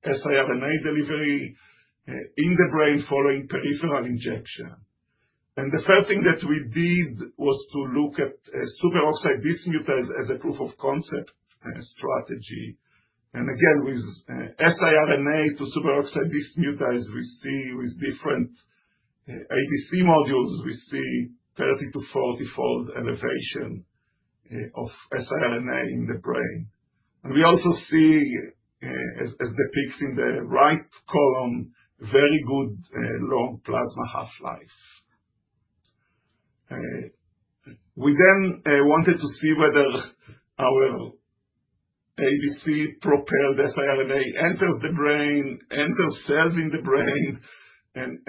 siRNA delivery in the brain following peripheral injection. And the first thing that we did was to look at superoxide dismutase as a proof of concept strategy. And again, with siRNA to superoxide dismutase, we see with different ABC modules, we see 30-40-fold elevation of siRNA in the brain. And we also see, as depicted in the right column, very good long plasma half-life. We then wanted to see whether our ABC-propelled siRNA enters the brain, enters cells in the brain, and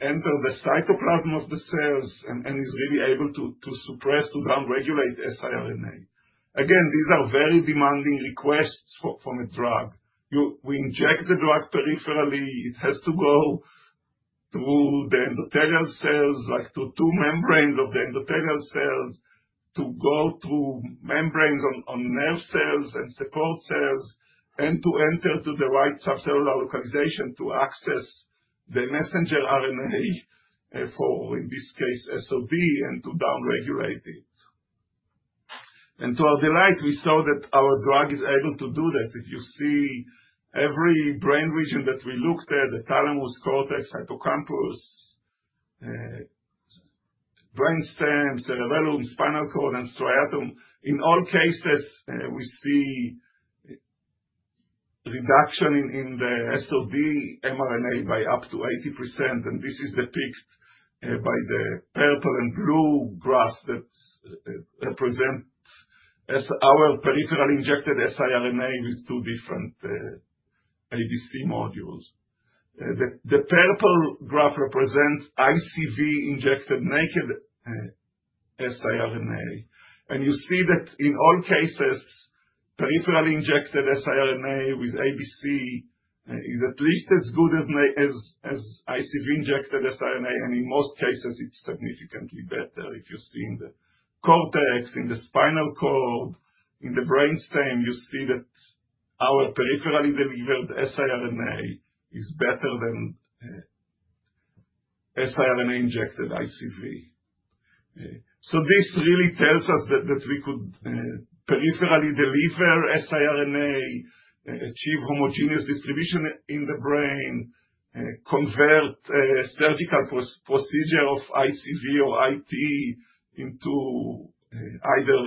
enters the cytoplasm of the cells, and is really able to suppress, to downregulate siRNA. Again, these are very demanding requests from a drug. We inject the drug peripherally. It has to go through the endothelial cells, like to two membranes of the endothelial cells, to go through membranes on nerve cells and support cells, and to enter to the right subcellular localization to access the messenger RNA for, in this case, SOB, and to downregulate it. And to our delight, we saw that our drug is able to do that. If you see every brain region that we looked at, the thalamus, cortex, hippocampus, brain stems, cerebellum, spinal cord, and striatum, in all cases, we see reduction in the SOB mRNA by up to 80%. This is depicted by the purple and blue graphs that represent our peripherally injected siRNA with two different ABC modules. The purple graph represents ICV injected naked siRNA. You see that in all cases, peripherally injected siRNA with ABC is at least as good as ICV injected siRNA. In most cases, it's significantly better. If you see in the cortex, in the spinal cord, in the brain stem, you see that our peripherally delivered siRNA is better than siRNA injected ICV. This really tells us that we could peripherally deliver siRNA, achieve homogeneous distribution in the brain, convert surgical procedure of ICV or IT into either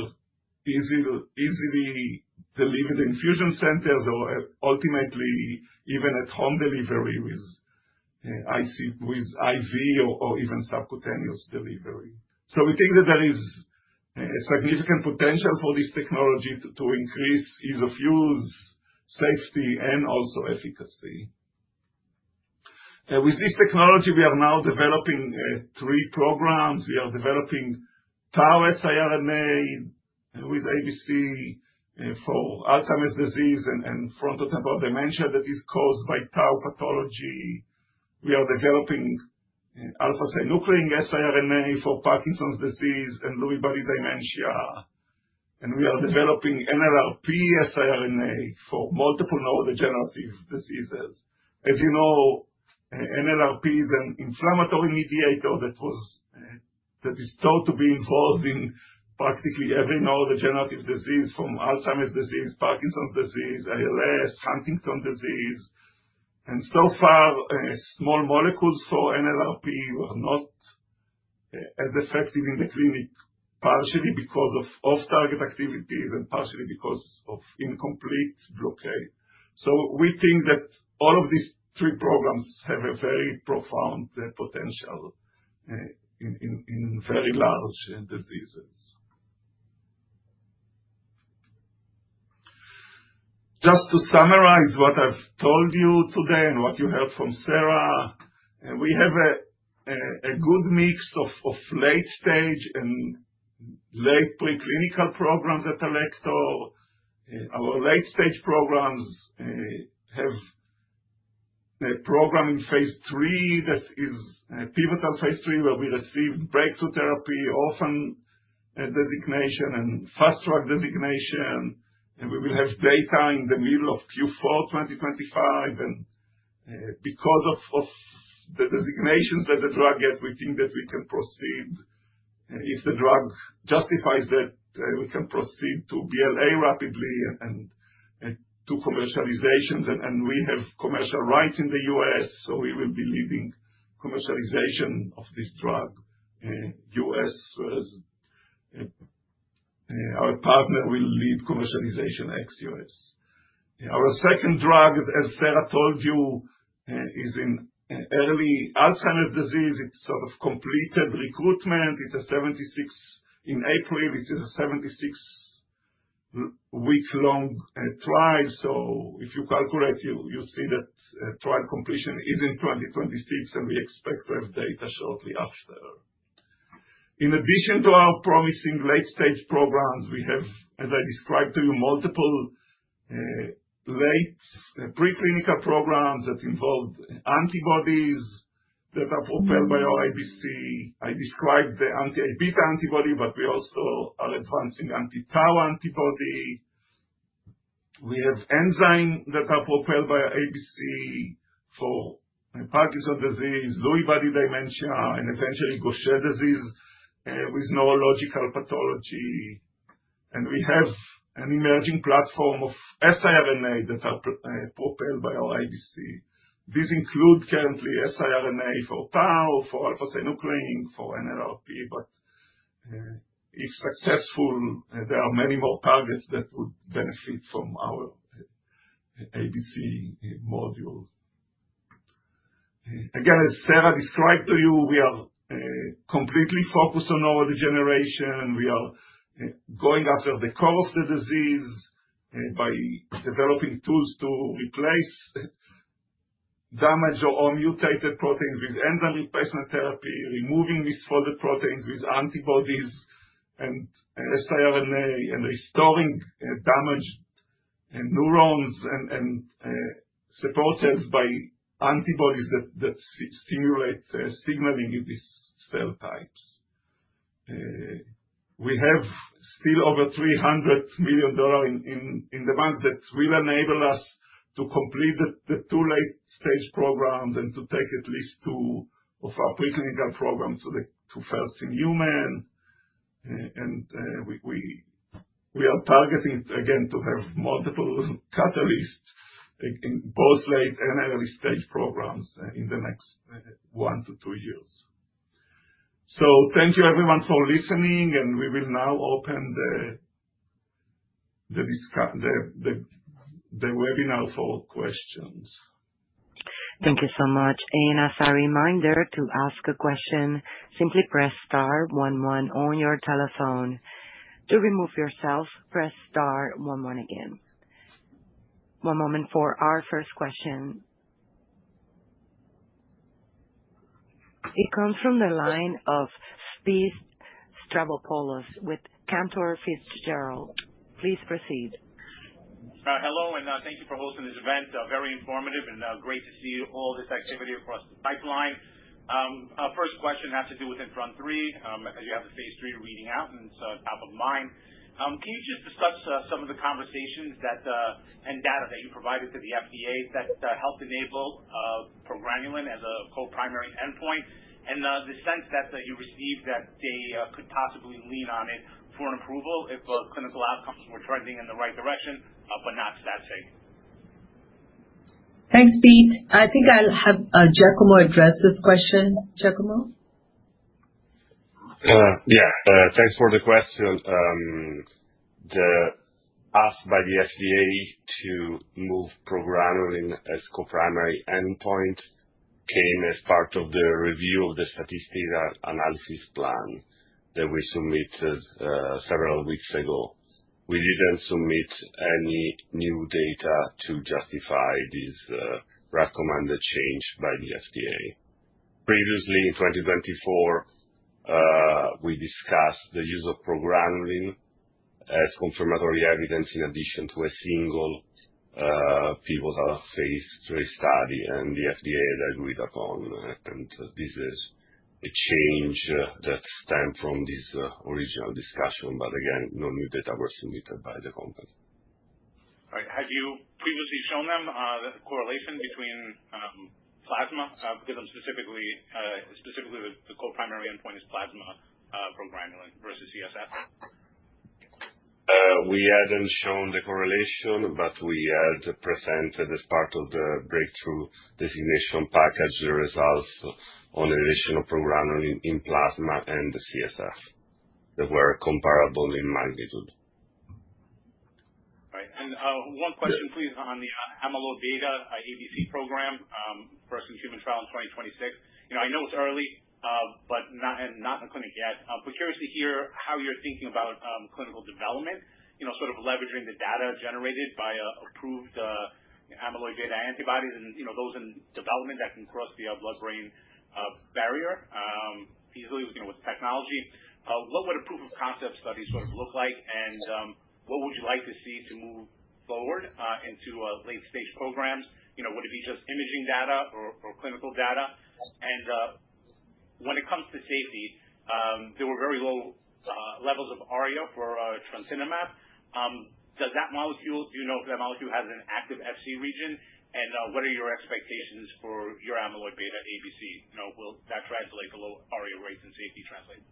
easily delivered infusion centers or ultimately even at-home delivery with IV or even subcutaneous delivery. We think that there is significant potential for this technology to increase ease of use, safety, and also efficacy. With this technology, we are now developing three programs. We are developing Tau siRNA with ABC for Alzheimer's disease and frontotemporal dementia that is caused by Tau pathology. We are developing alpha-synuclein siRNA for Parkinson's disease and Lewy body dementia. And we are developing NLRP3 siRNA for multiple neurodegenerative diseases. As you know, NLRP3 is an inflammatory mediator that is thought to be involved in practically every neurodegenerative disease from Alzheimer's disease, Parkinson's disease, ALS, Huntington's disease. And so far, small molecules for NLRP3 were not as effective in the clinic, partially because of off-target activity and partially because of incomplete blockade. So we think that all of these three programs have a very profound potential in very large diseases. Just to summarize what I've told you today and what you heard from Sara, we have a good mix of late-stage and late preclinical programs at Alector. Our late-stage programs have a program in phase three that is pivotal phase three where we receive breakthrough therapy designation and fast-track designation. We will have data in the middle of Q4 2025. Because of the designations that the drug gets, we think that we can proceed if the drug justifies that we can proceed to BLA rapidly and to commercialization. We have commercial rights in the U.S., so we will be leading commercialization of this drug. Our partner will lead commercialization ex U.S. Our second drug, as Sarah told you, is in early Alzheimer's disease. It has sort of completed recruitment. It is 76% in April. It is a 76-week-long trial. If you calculate, you see that trial completion is in 2026, and we expect to have data shortly after. In addition to our promising late-stage programs, we have, as I described to you, multiple late preclinical programs that involve antibodies that are propelled by our ABC. I described the anti-A beta antibody, but we also are advancing anti-Tau antibody. We have enzymes that are propelled by ABC for Parkinson's disease, Lewy body dementia, and essentially Gaucher disease with neurological pathology. And we have an emerging platform of siRNA that are propelled by our ABC. These include currently siRNA for Tau, for alpha-synuclein, for NLRP3. But if successful, there are many more targets that would benefit from our ABC modules. Again, as Sara described to you, we are completely focused on neurodegeneration. We are going after the core of the disease by developing tools to replace damaged or mutated proteins with enzyme replacement therapy, removing misfolded proteins with antibodies and siRNA, and restoring damaged neurons and support cells by antibodies that stimulate signaling in these cell types. We have still over $300 million in the bank that will enable us to complete the two late-stage programs and to take at least two of our preclinical programs to first in human. And we are targeting, again, to have multiple catalysts in both late and early-stage programs in the next one to two years. So thank you, everyone, for listening, and we will now open the webinar for questions. Thank you so much. And as a reminder to ask a question, simply press star 11 on your telephone. To remove yourself, press star 11 again. One moment for our first question. It comes from the line of Pete Stavropoulos with Cantor Fitzgerald. Please proceed. Hello, and thank you for hosting this event. Very informative and great to see all this activity across the pipeline. Our first question has to do with INFRONT-3, as you have the phase 3 reading out, and it's top of mind. Can you just discuss some of the conversations and data that you provided to the FDA that helped enable progranulin as a co-primary endpoint and the sense that you received that they could possibly lean on it for an approval if clinical outcomes were trending in the right direction, but not to that sake? Thanks, Pete. I think I'll have Giacomo address this question. Giacomo? Yeah. Thanks for the question. The ask by the FDA to move progranulin as co-primary endpoint came as part of the review of the statistical analysis plan that we submitted several weeks ago. We didn't submit any new data to justify this recommended change by the FDA. Previously, in 2024, we discussed the use of progranulin as confirmatory evidence in addition to a single pivotal phase three study, and the FDA had agreed upon. And this is a change that stemmed from this original discussion. But again, no new data were submitted by the company. All right. Have you previously shown them the correlation between plasma? Because specifically, the co-primary endpoint is plasma progranulin versus CSF. We hadn't shown the correlation, but we had presented as part of the breakthrough designation package the results on the additional progranulin in plasma and the CSF that were comparable in magnitude. All right. One question, please, on the Amyloid beta ABC program first in human trial in 2026. I know it's early, but not in clinic yet. But curious to hear how you're thinking about clinical development, sort of leveraging the data generated by approved amyloid beta antibodies and those in development that can cross the blood-brain barrier easily with technology. What would a proof of concept study sort of look like, and what would you like to see to move forward into late-stage programs? Would it be just imaging data or clinical data? And when it comes to safety, there were very low levels of ARIA for Trontinemab. Does that molecule, do you know if that molecule has an active Fc region? And what are your expectations for your amyloid beta ABC? Will that translate the low ARIA rates and safety translate?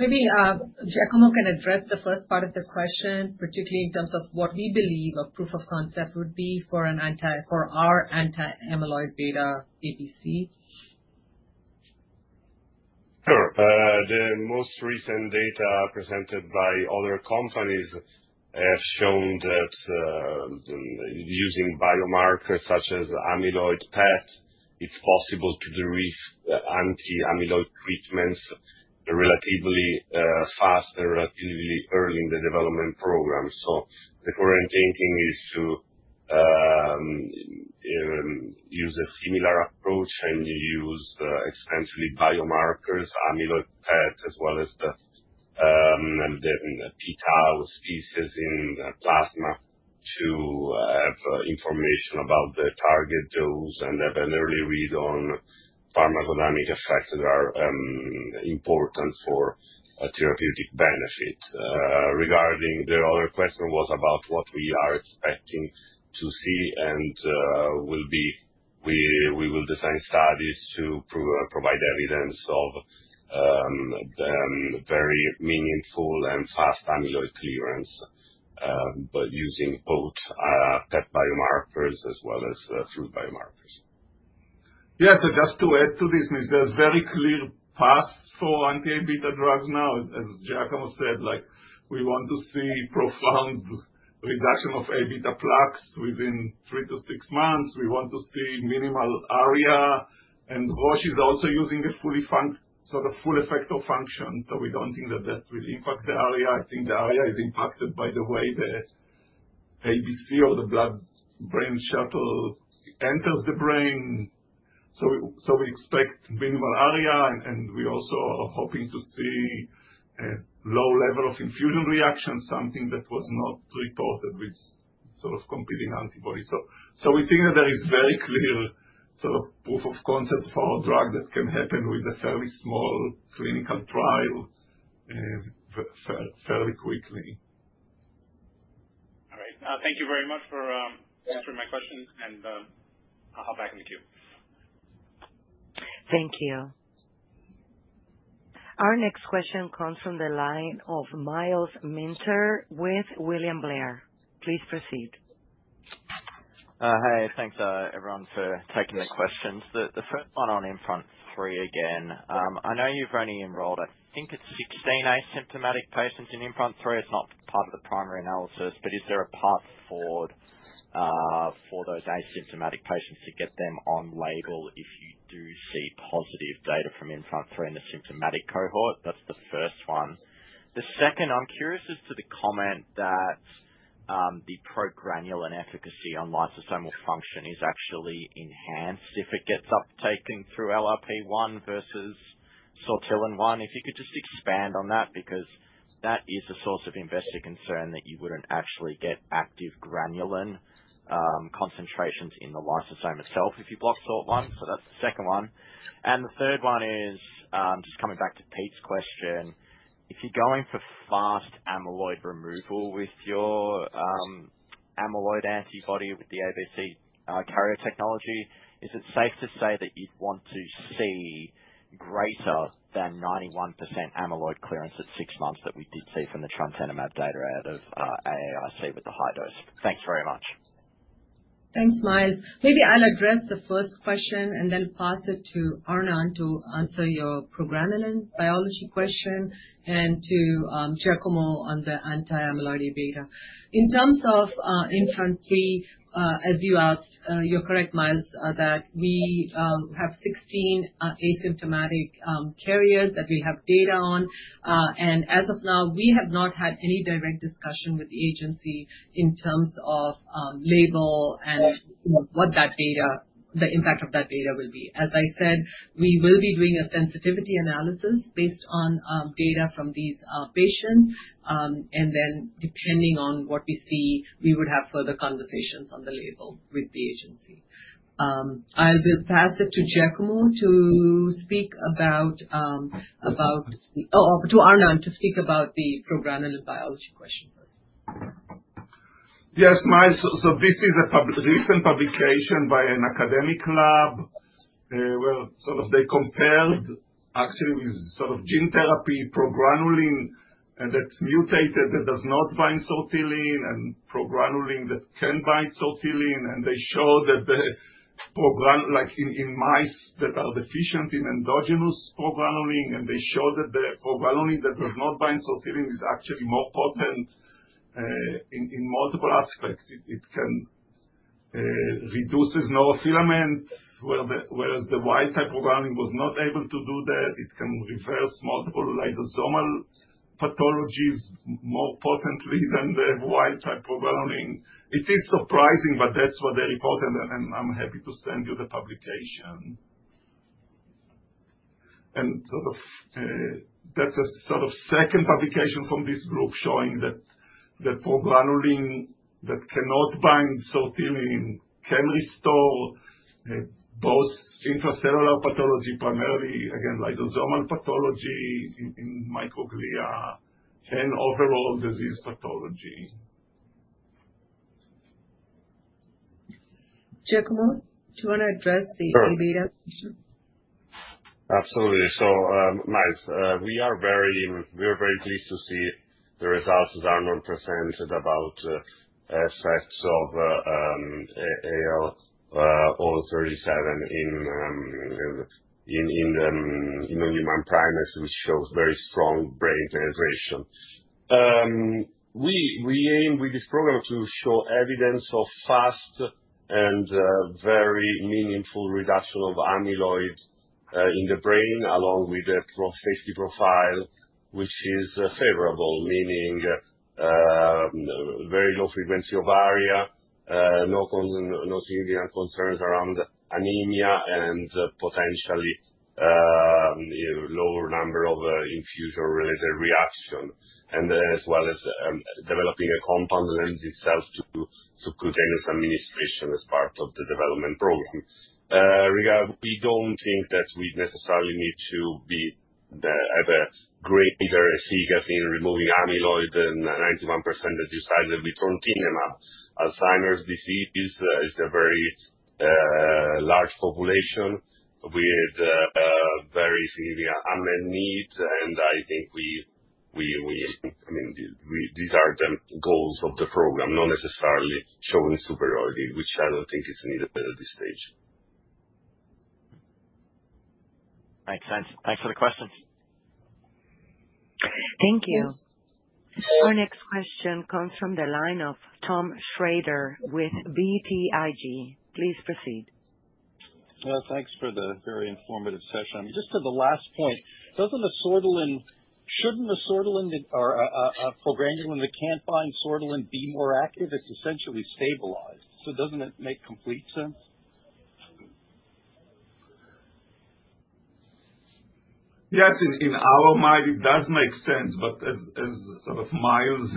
Maybe Giacomo can address the first part of the question, particularly in terms of what we believe a proof of concept would be for our anti-amyloid beta ABC. Sure. The most recent data presented by other companies have shown that using biomarkers such as amyloid PET, it's possible to derive anti-amyloid treatments relatively fast and relatively early in the development program. So the current thinking is to use a similar approach and use essentially biomarkers, amyloid PET, as well as the p-tau species in plasma to have information about the target dose and have an early read on pharmacodynamic effects that are important for therapeutic benefit. Regarding the other question was about what we are expecting to see and will be, we will design studies to provide evidence of very meaningful and fast amyloid clearance, but using both PET biomarkers as well as through biomarkers. Yeah. So just to add to this, there's very clear path for anti-A beta drugs now, as Giacomo said. We want to see profound reduction of A beta plaques within three to six months. We want to see minimal ARIA. And Roche is also using a fully effector function. So we don't think that that will impact the ARIA. I think the ARIA is impacted by the way the ABC or the blood-brain shuttle enters the brain. So we expect minimal ARIA, and we also are hoping to see a low level of infusion reaction, something that was not reported with sort of competing antibodies. So we think that there is very clear sort of proof of concept for a drug that can happen with a fairly small clinical trial fairly quickly. All right. Thank you very much for answering my questions, and I'll hop back into Q. Thank you. Our next question comes from the line of Miles Minter with William Blair. Please proceed. Hey. Thanks, everyone, for taking the questions. The first one on INFRONT 3 again, I know you've only enrolled, I think it's 16 asymptomatic patients in INFRONT 3. It's not part of the primary analysis, but is there a path forward for those asymptomatic patients to get them on label if you do see positive data from INFRONT 3 in the symptomatic cohort? That's the first one. The second, I'm curious as to the comment that the progranulin efficacy on lysosomal function is actually enhanced if it gets uptaken through LRP1 versus sortilin 1. If you could just expand on that, because that is a source of investor concern that you wouldn't actually get active progranulin concentrations in the lysosome itself if you block Sort1. So that's the second one. And the third one is just coming back to Pete's question. If you're going for fast amyloid removal with your amyloid antibody with the ABC carrier technology, is it safe to say that you'd want to see greater than 91% amyloid clearance at six months that we did see from the Trontinemab data out of AAIC with the high dose? Thanks very much. Thanks, Miles. Maybe I'll address the first question and then pass it to Arnon to answer your progranulin biology question and to Giacomo on the anti-amyloid beta. In terms of INFRONT-3, as you asked, you're correct, Miles, that we have 16 asymptomatic carriers that we have data on. And as of now, we have not had any direct discussion with the agency in terms of label and what the impact of that data will be. As I said, we will be doing a sensitivity analysis based on data from these patients, and then depending on what we see, we would have further conversations on the label with the agency. I will pass it to Giacomo to speak about, oh, to Arnon to speak about the progranulin biology question first. Yes, Miles. So this is a recent publication by an academic lab. Well, sort of they compared actually with sort of gene therapy progranulin that mutated that does not bind Sortilin and progranulin that can bind Sortilin. And they showed that the progranulin in mice that are deficient in endogenous progranulin, and they showed that the progranulin that does not bind Sortilin is actually more potent in multiple aspects. It can reduce neurofilament, whereas the wild-type progranulin was not able to do that. It can reverse multiple lysosomal pathologies more potently than the wild-type progranulin. It is surprising, but that's what they reported, and I'm happy to send you the publication. That's a second publication from this group showing that progranulin that cannot bind Sortilin can restore both intracellular pathology, primarily, again, lysosomal pathology in microglia and overall disease pathology. Giacomo, do you want to address the A beta question? Absolutely. So, Miles, we are very pleased to see the results that Arnon presented about safety of AL037 in the non-human primates, which shows very strong brain penetration. We aim with this program to show evidence of fast and very meaningful reduction of amyloid in the brain along with a safety profile, which is favorable, meaning very low frequency of ARIA, no significant concerns around anemia, and potentially lower number of infusion-related reactions, as well as developing a compound that lends itself to subcutaneous administration as part of the development program. We don't think that we necessarily need to have a greater efficacy in removing amyloid than 91% that you cited with Trontinemab. Alzheimer's disease is a very large population with very significant unmet needs, and I think we—I mean, these are the goals of the program, not necessarily showing superiority, which I don't think is needed at this stage. Makes sense. Thanks for the question. Thank you. Our next question comes from the line of Tom Schrader with BTIG. Please proceed. Thanks for the very informative session. Just to the last point, shouldn't the Sortilin or progranulin that can't bind Sortilin be more active? It's essentially stabilized. So doesn't it make complete sense? Yes. In our mind, it does make sense. But as sort of Miles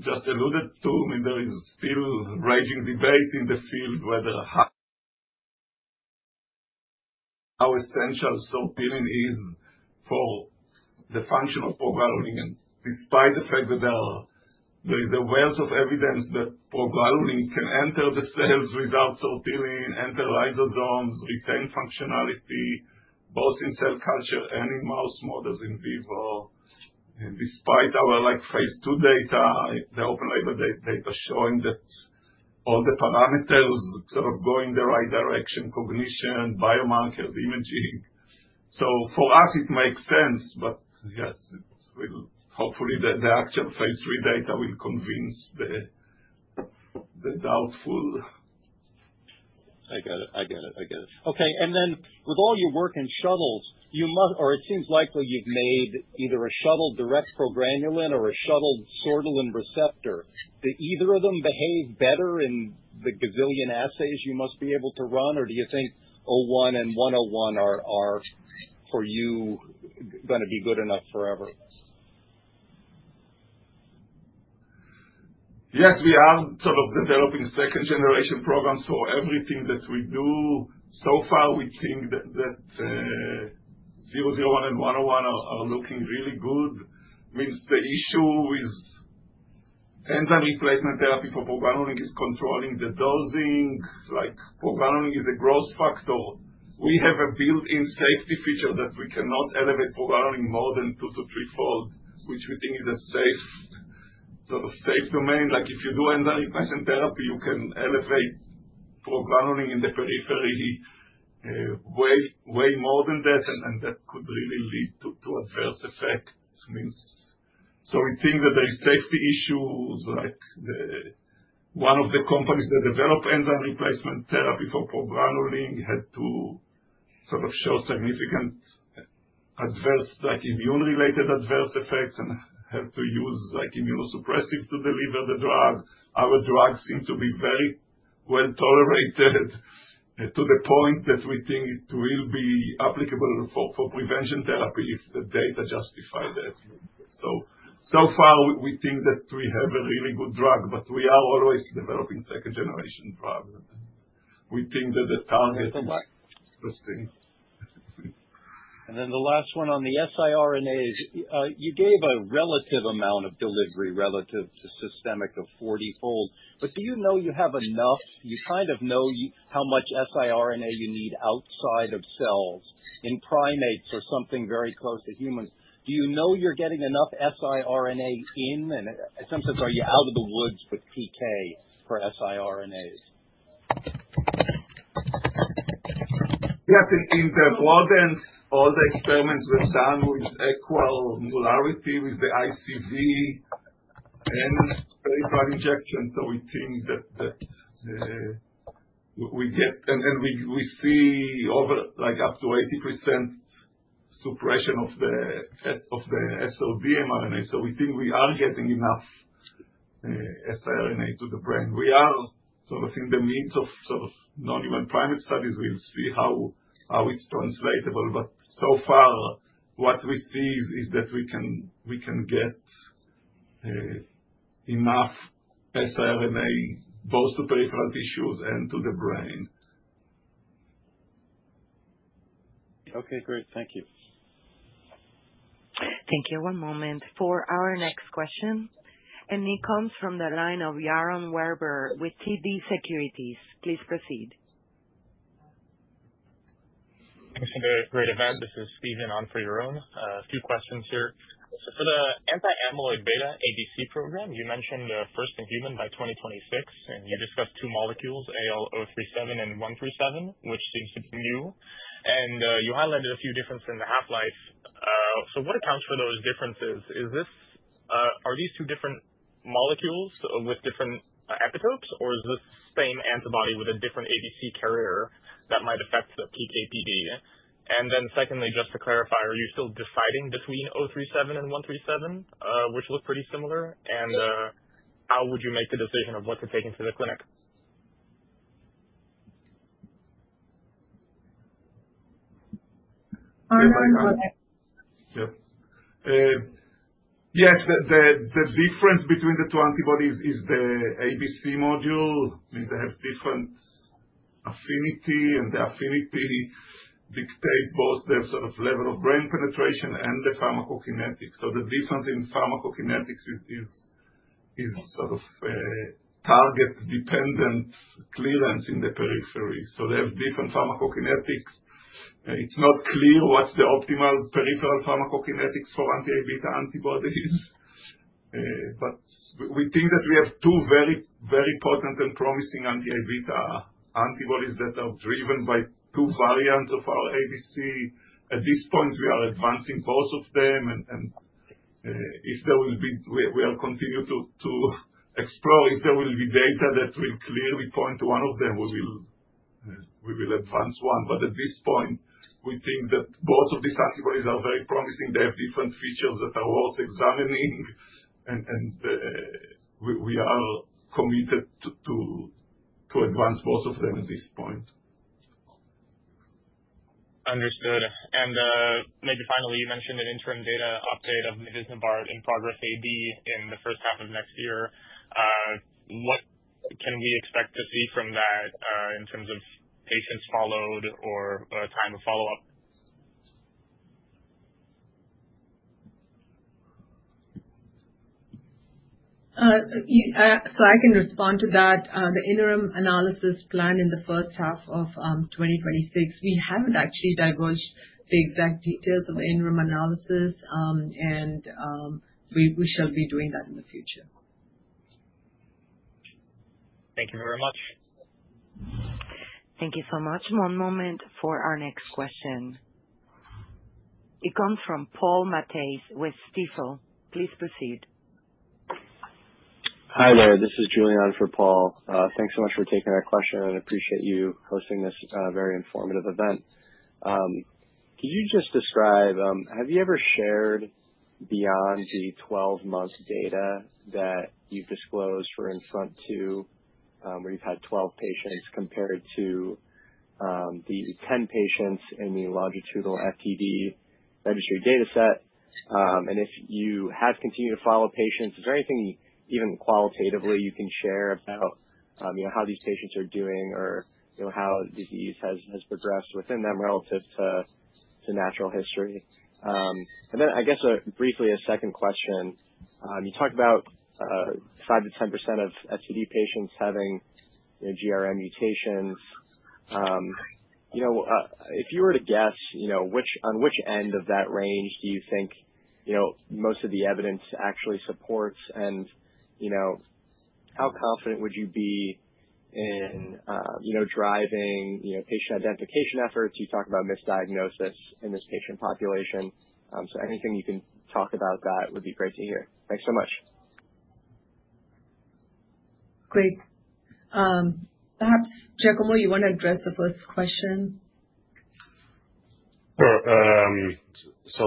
just alluded to, I mean, there is still raging debate in the field whether how essential Sortilin is for the function of progranulin. And despite the fact that there is a wealth of evidence that progranulin can enter the cells without Sortilin, enter lysosomes, retain functionality both in cell culture and in mouse models in vivo. And despite our phase two data, the open-label data showing that all the parameters sort of go in the right direction: cognition, biomarkers, imaging. So for us, it makes sense. But yes, hopefully, the actual phase three data will convince the doubtful. I get it. I get it. I get it. Okay. And then with all your work in shuttles, you must-or it seems likely you've made either a shuttle direct progranulin or a shuttle Sortilin receptor. Do either of them behave better in the gazillion assays you must be able to run, or do you think 01 and 101 are, for you, going to be good enough forever? Yes, we are sort of developing second-generation programs for everything that we do. So far, we think that 001 and 101 are looking really good. I mean, the issue with enzyme replacement therapy for progranulin is controlling the dosing. Progranulin is a growth factor. We have a built-in safety feature that we cannot elevate progranulin more than two to threefold, which we think is a sort of safe domain. If you do enzyme replacement therapy, you can elevate progranulin in the periphery way more than that, and that could really lead to adverse effects. So we think that there are safety issues. One of the companies that developed enzyme replacement therapy for progranulin had to sort of show significant immune-related adverse effects and had to use immunosuppressives to deliver the drug. Our drugs seem to be very well tolerated to the point that we think it will be applicable for prevention therapy if the data justify that. So far, we think that we have a really good drug, but we are always developing second-generation drugs. We think that the target is interesting. And then the last one on the siRNAs, you gave a relative amount of delivery relative to systemic of 40-fold. But do you know you have enough? You kind of know how much siRNA you need outside of cells in primates or something very close to humans. Do you know you're getting enough siRNA in? And sometimes, are you out of the woods with PK for siRNAs? Yes. In the blood and all the experiments were done with equal modality with the ICV and peripheral injection. So we think that we get and we see up to 80% suppression of the SOD mRNA. So we think we are getting enough siRNA to the brain. We are sort of in the midst of sort of non-human primate studies. We'll see how it's translatable. But so far, what we see is that we can get enough siRNA both to peripheral tissues and to the brain. Okay. Great. Thank you. Thank you. One moment for our next question. And he comes from the line of Yaron Werber with TD Securities. Please proceed. Thanks for the great event. This is Steven on for Yaron. A few questions here. So for the anti-amyloid beta ABC program, you mentioned first in human by 2026. And you discussed two molecules, AL037 and AL137, which seems to be new. And you highlighted a few differences in the half-life. So what accounts for those differences? Are these two different molecules with different epitopes, or is this the same antibody with a different ABC carrier that might affect the PK/PD? And then secondly, just to clarify, are you still deciding between 037 and 137, which look pretty similar? And how would you make the decision of what to take into the clinic? Arnon. Yep. Yes. The difference between the two antibodies is the ABC module. I mean, they have different affinity, and the affinity dictates both the sort of level of brain penetration and the pharmacokinetics. So the difference in pharmacokinetics is sort of target-dependent clearance in the periphery. So they have different pharmacokinetics. It's not clear what's the optimal peripheral pharmacokinetics for anti-A beta antibodies. But we think that we have two very, very potent and promising anti-A beta antibodies that are driven by two variants of our ABC. At this point, we are advancing both of them. And if there will be, we will continue to explore. If there will be data that will clearly point to one of them, we will advance one. But at this point, we think that both of these antibodies are very promising. They have different features that are worth examining. And we are committed to advance both of them at this point. Understood. And maybe finally, you mentioned an interim data update of Mivysnuvart and progranulin AB in the first half of next year. What can we expect to see from that in terms of patients followed or time of follow-up? So I can respond to that. The interim analysis planned in the first half of 2026. We haven't actually divulged the exact details of the interim analysis, and we shall be doing that in the future. Thank you very much. Thank you so much. One moment for our next question. It comes from Paul Matteis with Stifel. Please proceed. Hi there. This is Julianne for Paul. Thanks so much for taking our question. I appreciate you hosting this very informative event. Could you just describe, have you ever shared beyond the 12-month data that you've disclosed or INFRONT-2 where you've had 12 patients compared to the 10 patients in the longitudinal FTD registry dataset? And if you have continued to follow patients, is there anything even qualitatively you can share about how these patients are doing or how disease has progressed within them relative to natural history? And then I guess briefly a second question. You talked about 5%-10% of FTD patients having GRN mutations. If you were to guess on which end of that range do you think most of the evidence actually supports, and how confident would you be in driving patient identification efforts? You talked about misdiagnosis in this patient population. So anything you can talk about that would be great to hear. Thanks so much. Great. Perhaps, Giacomo, you want to address the first question? Sure. So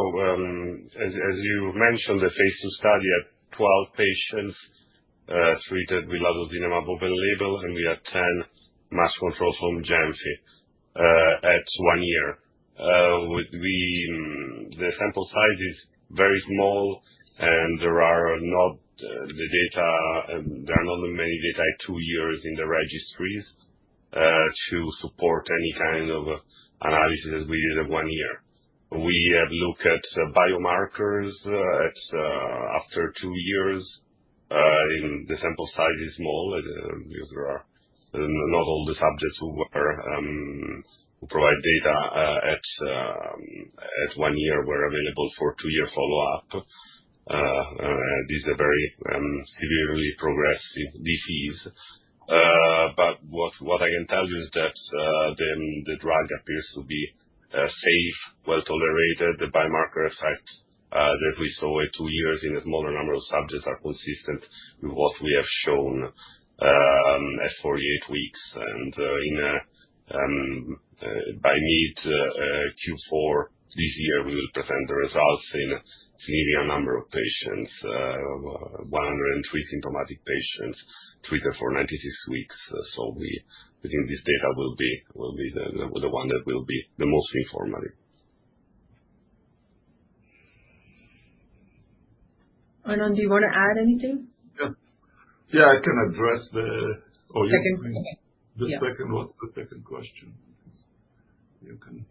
as you mentioned, the phase 2 study had 12 patients treated with latozinemab open label, and we had 10 matched controls from GENFI at one year. The sample size is very small, and there are not many data at two years in the registries to support any kind of analysis as we did at one year. We have looked at biomarkers after two years, and the sample size is small because there are not all the subjects who provide data at one year were available for two-year follow-up. This is a very severely progressive disease. But what I can tell you is that the drug appears to be safe, well-tolerated. The biomarker effect that we saw at two years in a smaller number of subjects is consistent with what we have shown at 48 weeks. And by mid-Q4 this year, we will present the results in a significant number of patients: 103 symptomatic patients treated for 96 weeks. So we think this data will be the one that will be the most informative. Arnon, do you want to add anything? Yeah. I can address the - oh, you're - the second question. What's the second question? You can.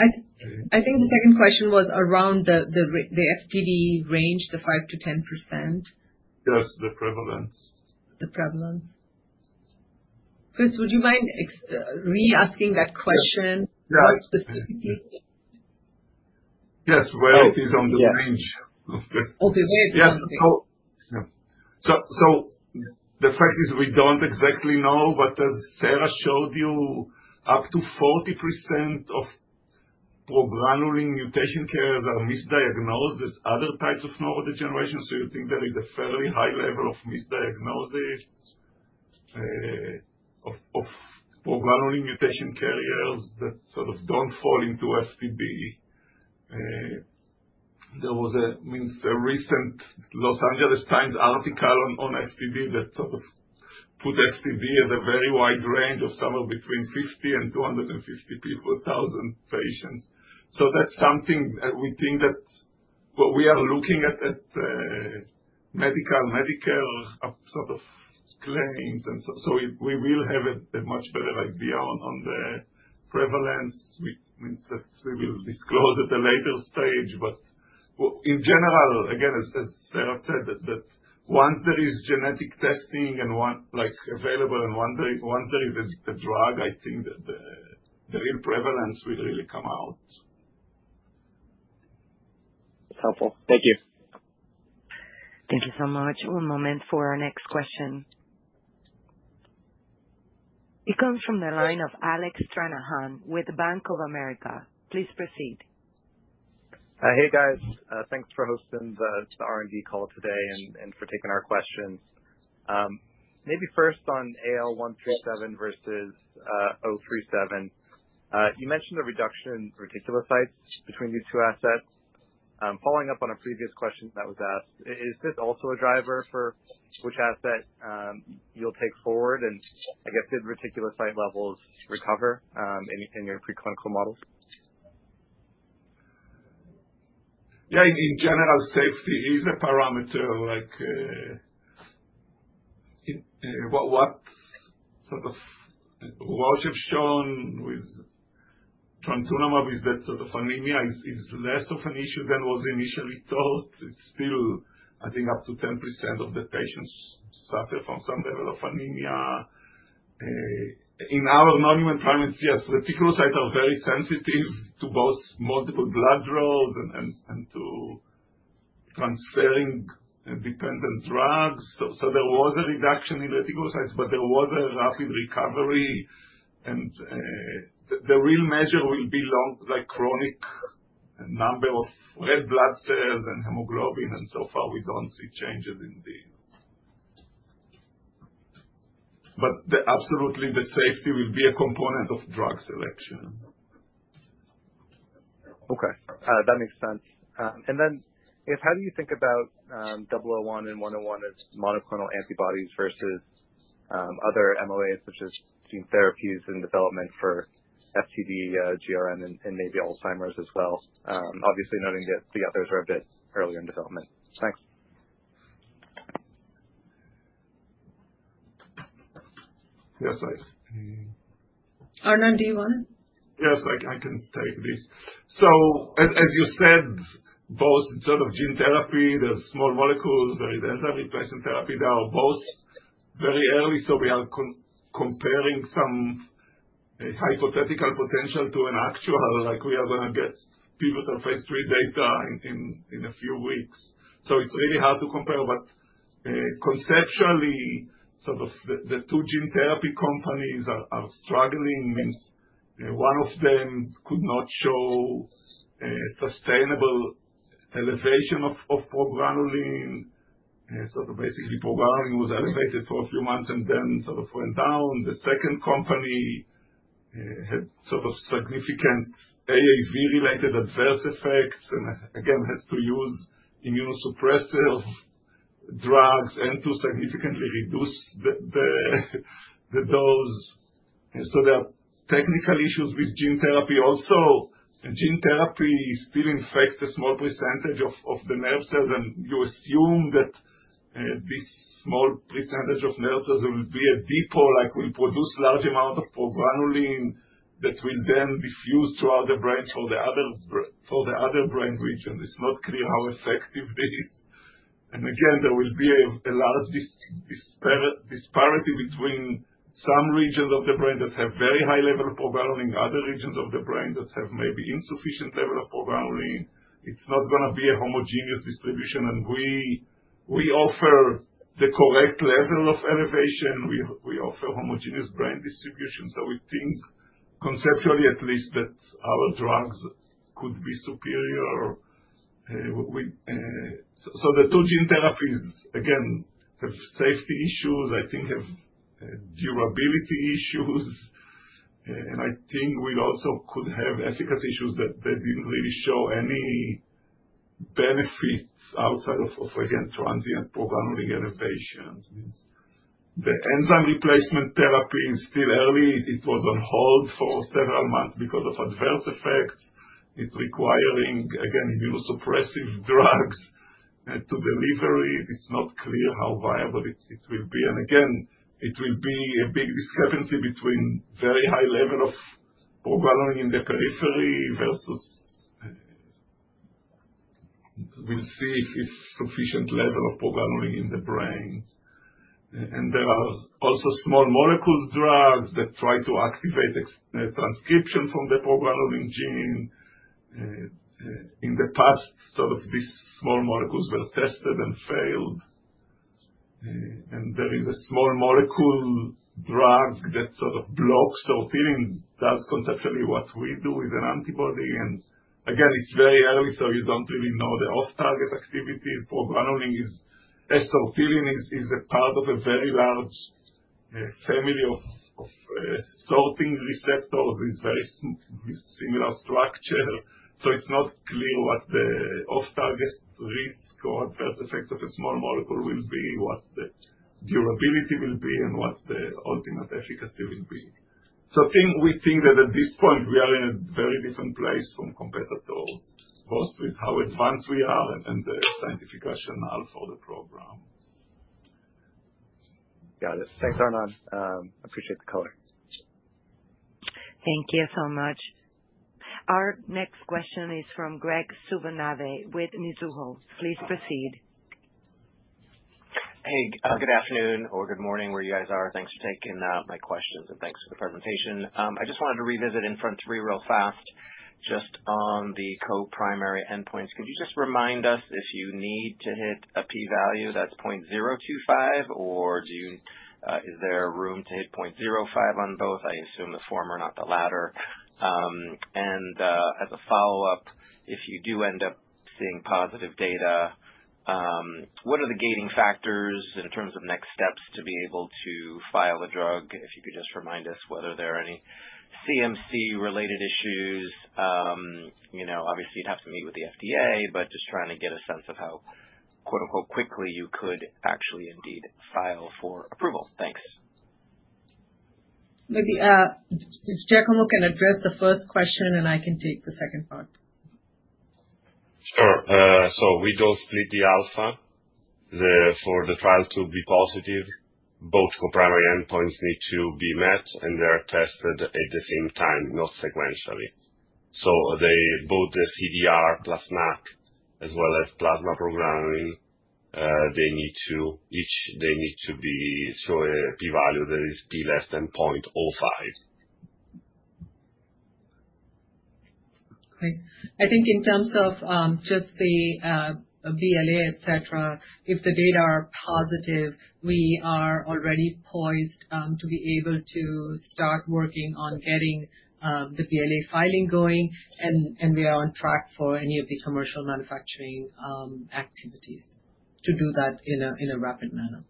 I think the second question was around the FTD range, the 5%-10%. Yes. The prevalence. Chris, would you mind re-asking that question more specifically? Yes. Where it is on the range? Yeah, so the fact is we don't exactly know. But as Sara showed you, up to 40% of progranulin mutation carriers are misdiagnosed with other types of neurodegeneration. So you think there is a fairly high level of misdiagnosis of progranulin mutation carriers that sort of don't fall into FTD. There was a recent Los Angeles Times article on FTD that sort of put FTD as a very wide range of somewhere between 50 and 250 per 100,000 patients. That's something we think that we are looking at medical sort of claims, and so we will have a much better idea on the prevalence. I mean, we will disclose at a later stage. But in general, again, as Sara said, that once there is genetic testing available and once there is a drug, I think that the real prevalence will really come out. That's helpful. Thank you. Thank you so much. One moment for our next question. It comes from the line of Alec Stranahan with Bank of America. Please proceed. Hey, guys. Thanks for hosting the R&D call today and for taking our questions. Maybe first on AL137 versus AL037, you mentioned the reduction in reticulocytes between these two assets. Following up on a previous question that was asked, is this also a driver for which asset you'll take forward? And I guess, did reticulocyte levels recover in your preclinical models? Yeah. In general, safety is a parameter. What we've shown with Trontinemab is that sort of anemia is less of an issue than was initially thought. It's still, I think, up to 10% of the patients suffer from some level of anemia. In our non-human primates, yes, reticulocytes are very sensitive to both multiple blood draws and to transferrin-dependent drugs. So there was a reduction in reticulocytes, but there was a rapid recovery. And the real measure will be long chronic number of red blood cells and hemoglobin. And so far, we don't see changes in these. But absolutely, the safety will be a component of drug selection. Okay. That makes sense. Then I guess, how do you think about 001 and 101 as monoclonal antibodies versus other MOAs such as gene therapies in development for FTD, GRN, and maybe Alzheimer's as well, obviously noting that the others are a bit earlier in development? Thanks. Yes. Arnon, do you want to? Yes. I can take this. So as you said, both sort of gene therapy, the small molecules, the enzyme replacement therapy, they are both very early. So we are comparing some hypothetical potential to an actual. We are going to get pivotal phase three data in a few weeks. So it's really hard to compare. But conceptually, sort of the two gene therapy companies are struggling. I mean, one of them could not show sustainable elevation of progranulin. So basically, progranulin was elevated for a few months and then sort of went down. The second company had sort of significant AAV-related adverse effects and again has to use immunosuppressive drugs and to significantly reduce the dose. So there are technical issues with gene therapy also. And gene therapy still infects a small percentage of the nerve cells. And you assume that this small percentage of nerve cells will be a depot, will produce large amounts of progranulin that will then diffuse throughout the brain for the other brain regions. It's not clear how effective it is. And again, there will be a large disparity between some regions of the brain that have very high level of progranulin, other regions of the brain that have maybe insufficient level of progranulin. It's not going to be a homogeneous distribution. And we offer the correct level of elevation. We offer homogeneous brain distribution. So we think conceptually at least that our drugs could be superior. So the two gene therapies, again, have safety issues. I think have durability issues. And I think we also could have efficacy issues that didn't really show any benefits outside of, again, transient progranulin elevation. The enzyme replacement therapy is still early. It was on hold for several months because of adverse effects. It's requiring, again, immunosuppressive drugs to deliver it. It's not clear how viable it will be. And again, it will be a big discrepancy between very high level of progranulin in the periphery versus we'll see if sufficient level of progranulin in the brain. And there are also small molecules drugs that try to activate transcription from the progranulin gene. In the past, sort of these small molecules were tested and failed. And there is a small molecule drug that sort of blocks sortilin, does conceptually what we do with an antibody. And again, it's very early, so you don't really know the off-target activity. Progranulin sortilin is a part of a very large family of sorting receptors with very similar structure. So it's not clear what the off-target risk or adverse effects of a small molecule will be, what the durability will be, and what the ultimate efficacy will be. So we think that at this point, we are in a very different place from competitors, both with how advanced we are and the scientific rationale for the program. Got it. Thanks, Arnon. I appreciate the color. Thank you so much. Our next question is from Graig Suvannavejh with Mizuho. Please proceed. Hey. Good afternoon or good morning, where you guys are. Thanks for taking my questions, and thanks for the presentation. I just wanted to revisit INFRONT-3 real fast just on the co-primary endpoints. Could you just remind us if you need to hit a p-value that's 0.025, or is there room to hit 0.05 on both? I assume the former, not the latter. And as a follow-up, if you do end up seeing positive data, what are the gating factors in terms of next steps to be able to file a drug? If you could just remind us whether there are any CMC-related issues. Obviously, you'd have to meet with the FDA, but just trying to get a sense of how "quickly" you could actually indeed file for approval. Thanks. Maybe if Giacomo can address the first question, and I can take the second part. Sure. So we don't split the alpha. For the trial to be positive, both co-primary endpoints need to be met, and they are tested at the same time, not sequentially. So both the CDR plus NACC, as well as plasma progranulin, they need to each show a p-value that is p less than 0.05. Great. I think in terms of just the BLA, etc., if the data are positive, we are already poised to be able to start working on getting the BLA filing going. And we are on track for any of the commercial manufacturing activities to do that in a rapid manner.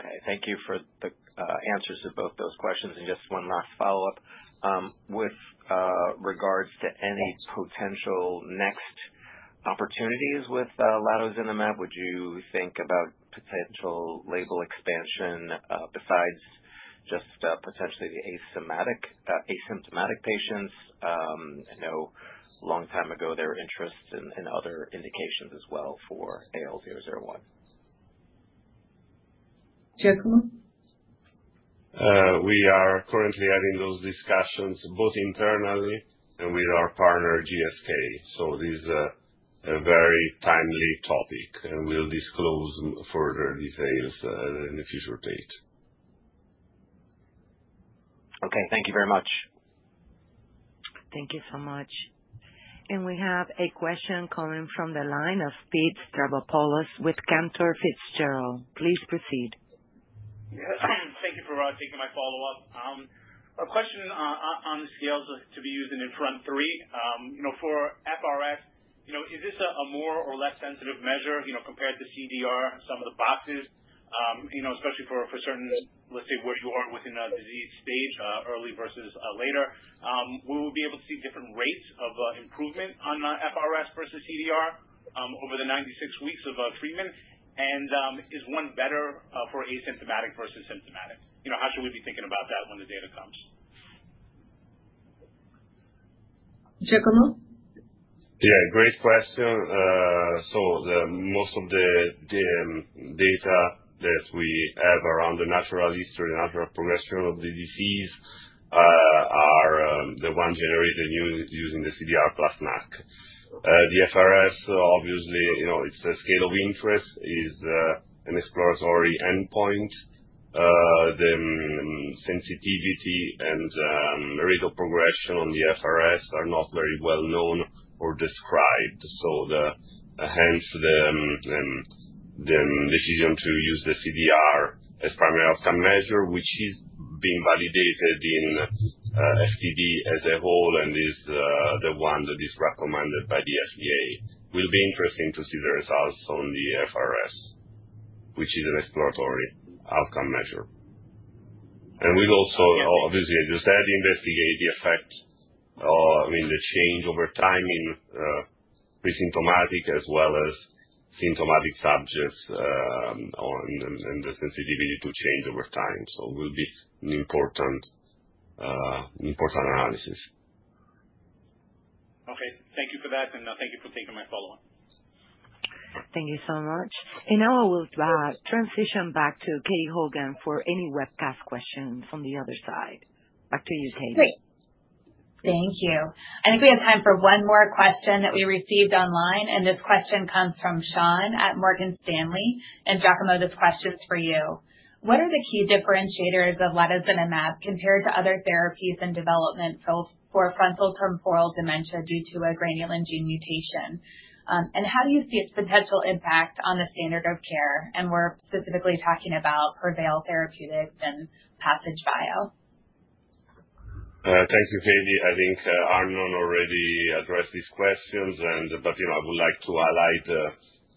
Okay. Thank you for the answers to both those questions. And just one last follow-up. With regards to any potential next opportunities with latozinemab, would you think about potential label expansion besides just potentially the asymptomatic patients? I know a long time ago there were interests in other indications as well for AL001. Giacomo? We are currently having those discussions both internally and with our partner, GSK. So this is a very timely topic, and we'll disclose further details at a future date. Okay. Thank you very much. Thank you so much. And we have a question coming from the line of Pete Stavropoulos with Cantor Fitzgerald. Please proceed. Yes. Thank you for taking my follow-up. A question on the scales to be used in phase three. For FRS, is this a more or less sensitive measure compared to CDR and some of the boxes, especially for certain, let's say, where you are within a disease stage, early versus later? Will we be able to see different rates of improvement on FRS versus CDR over the 96 weeks of treatment? And is one better for asymptomatic versus symptomatic? How should we be thinking about that when the data comes? Giacomo? Yeah. Great question. Most of the data that we have around the natural history, natural progression of the disease are the one generated using the CDR plus NAC. The FRS, obviously, it's a scale of interest, is an exploratory endpoint. The sensitivity and rate of progression on the FRS are not very well known or described. Hence the decision to use the CDR as primary outcome measure, which is being validated in FTD as a whole and is the one that is recommended by the FDA. It will be interesting to see the results on the FRS, which is an exploratory outcome measure. We'll also, obviously, as you said, investigate the effect, I mean, the change over time in pre-symptomatic as well as symptomatic subjects and the sensitivity to change over time. It will be an important analysis. Okay. Thank you for that. Thank you for taking my follow-up. Thank you so much. Now I will transition back to Katie Hogan for any webcast questions on the other side. Back to you, Katie. Great. Thank you. I think we have time for one more question that we received online. This question comes from Sean at Morgan Stanley. Giacomo, this question's for you. What are the key differentiators of latozinemab compared to other therapies in development for frontotemporal dementia due to a GRN gene mutation? How do you see its potential impact on the standard of care? We're specifically talking about Prevail Therapeutics and Passage Bio. Thank you, Katie. I think Arnon already addressed these questions. But I would like to highlight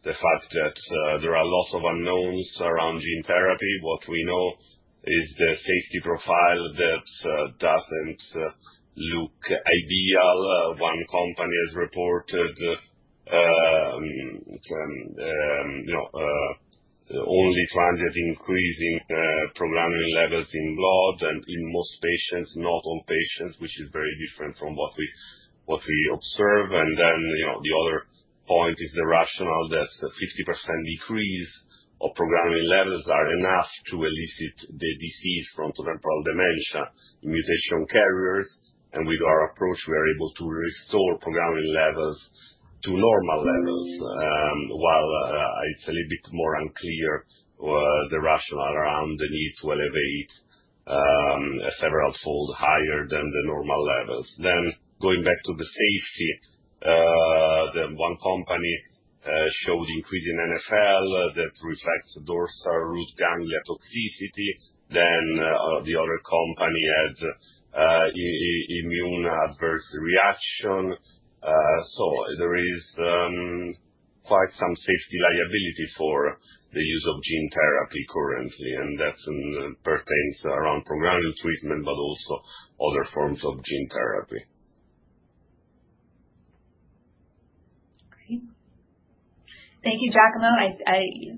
the fact that there are lots of unknowns around gene therapy. What we know is the safety profile that doesn't look ideal. One company has reported only transient increase in progranulin levels in blood and in most patients, not all patients, which is very different from what we observe, and then the other point is the rationale that a 50% decrease of progranulin levels is enough to elicit the disease frontotemporal dementia mutation carriers. And with our approach, we are able to restore progranulin levels to normal levels. While it's a little bit more unclear the rationale around the need to elevate several fold higher than the normal levels, then going back to the safety, one company showed increase in NfL that reflects dorsal root ganglia toxicity. Then the other company had immune adverse reaction. So there is quite some safety liability for the use of gene therapy currently, and that pertains around progranulin treatment, but also other forms of gene therapy. Okay. Thank you, Giacomo.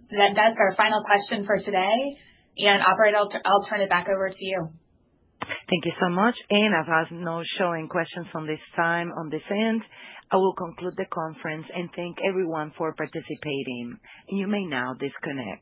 That's our final question for today. And I'll turn it back over to you. Thank you so much. And I have no further questions at this time. From this end, I will conclude the conference and thank everyone for participating. And you may now disconnect.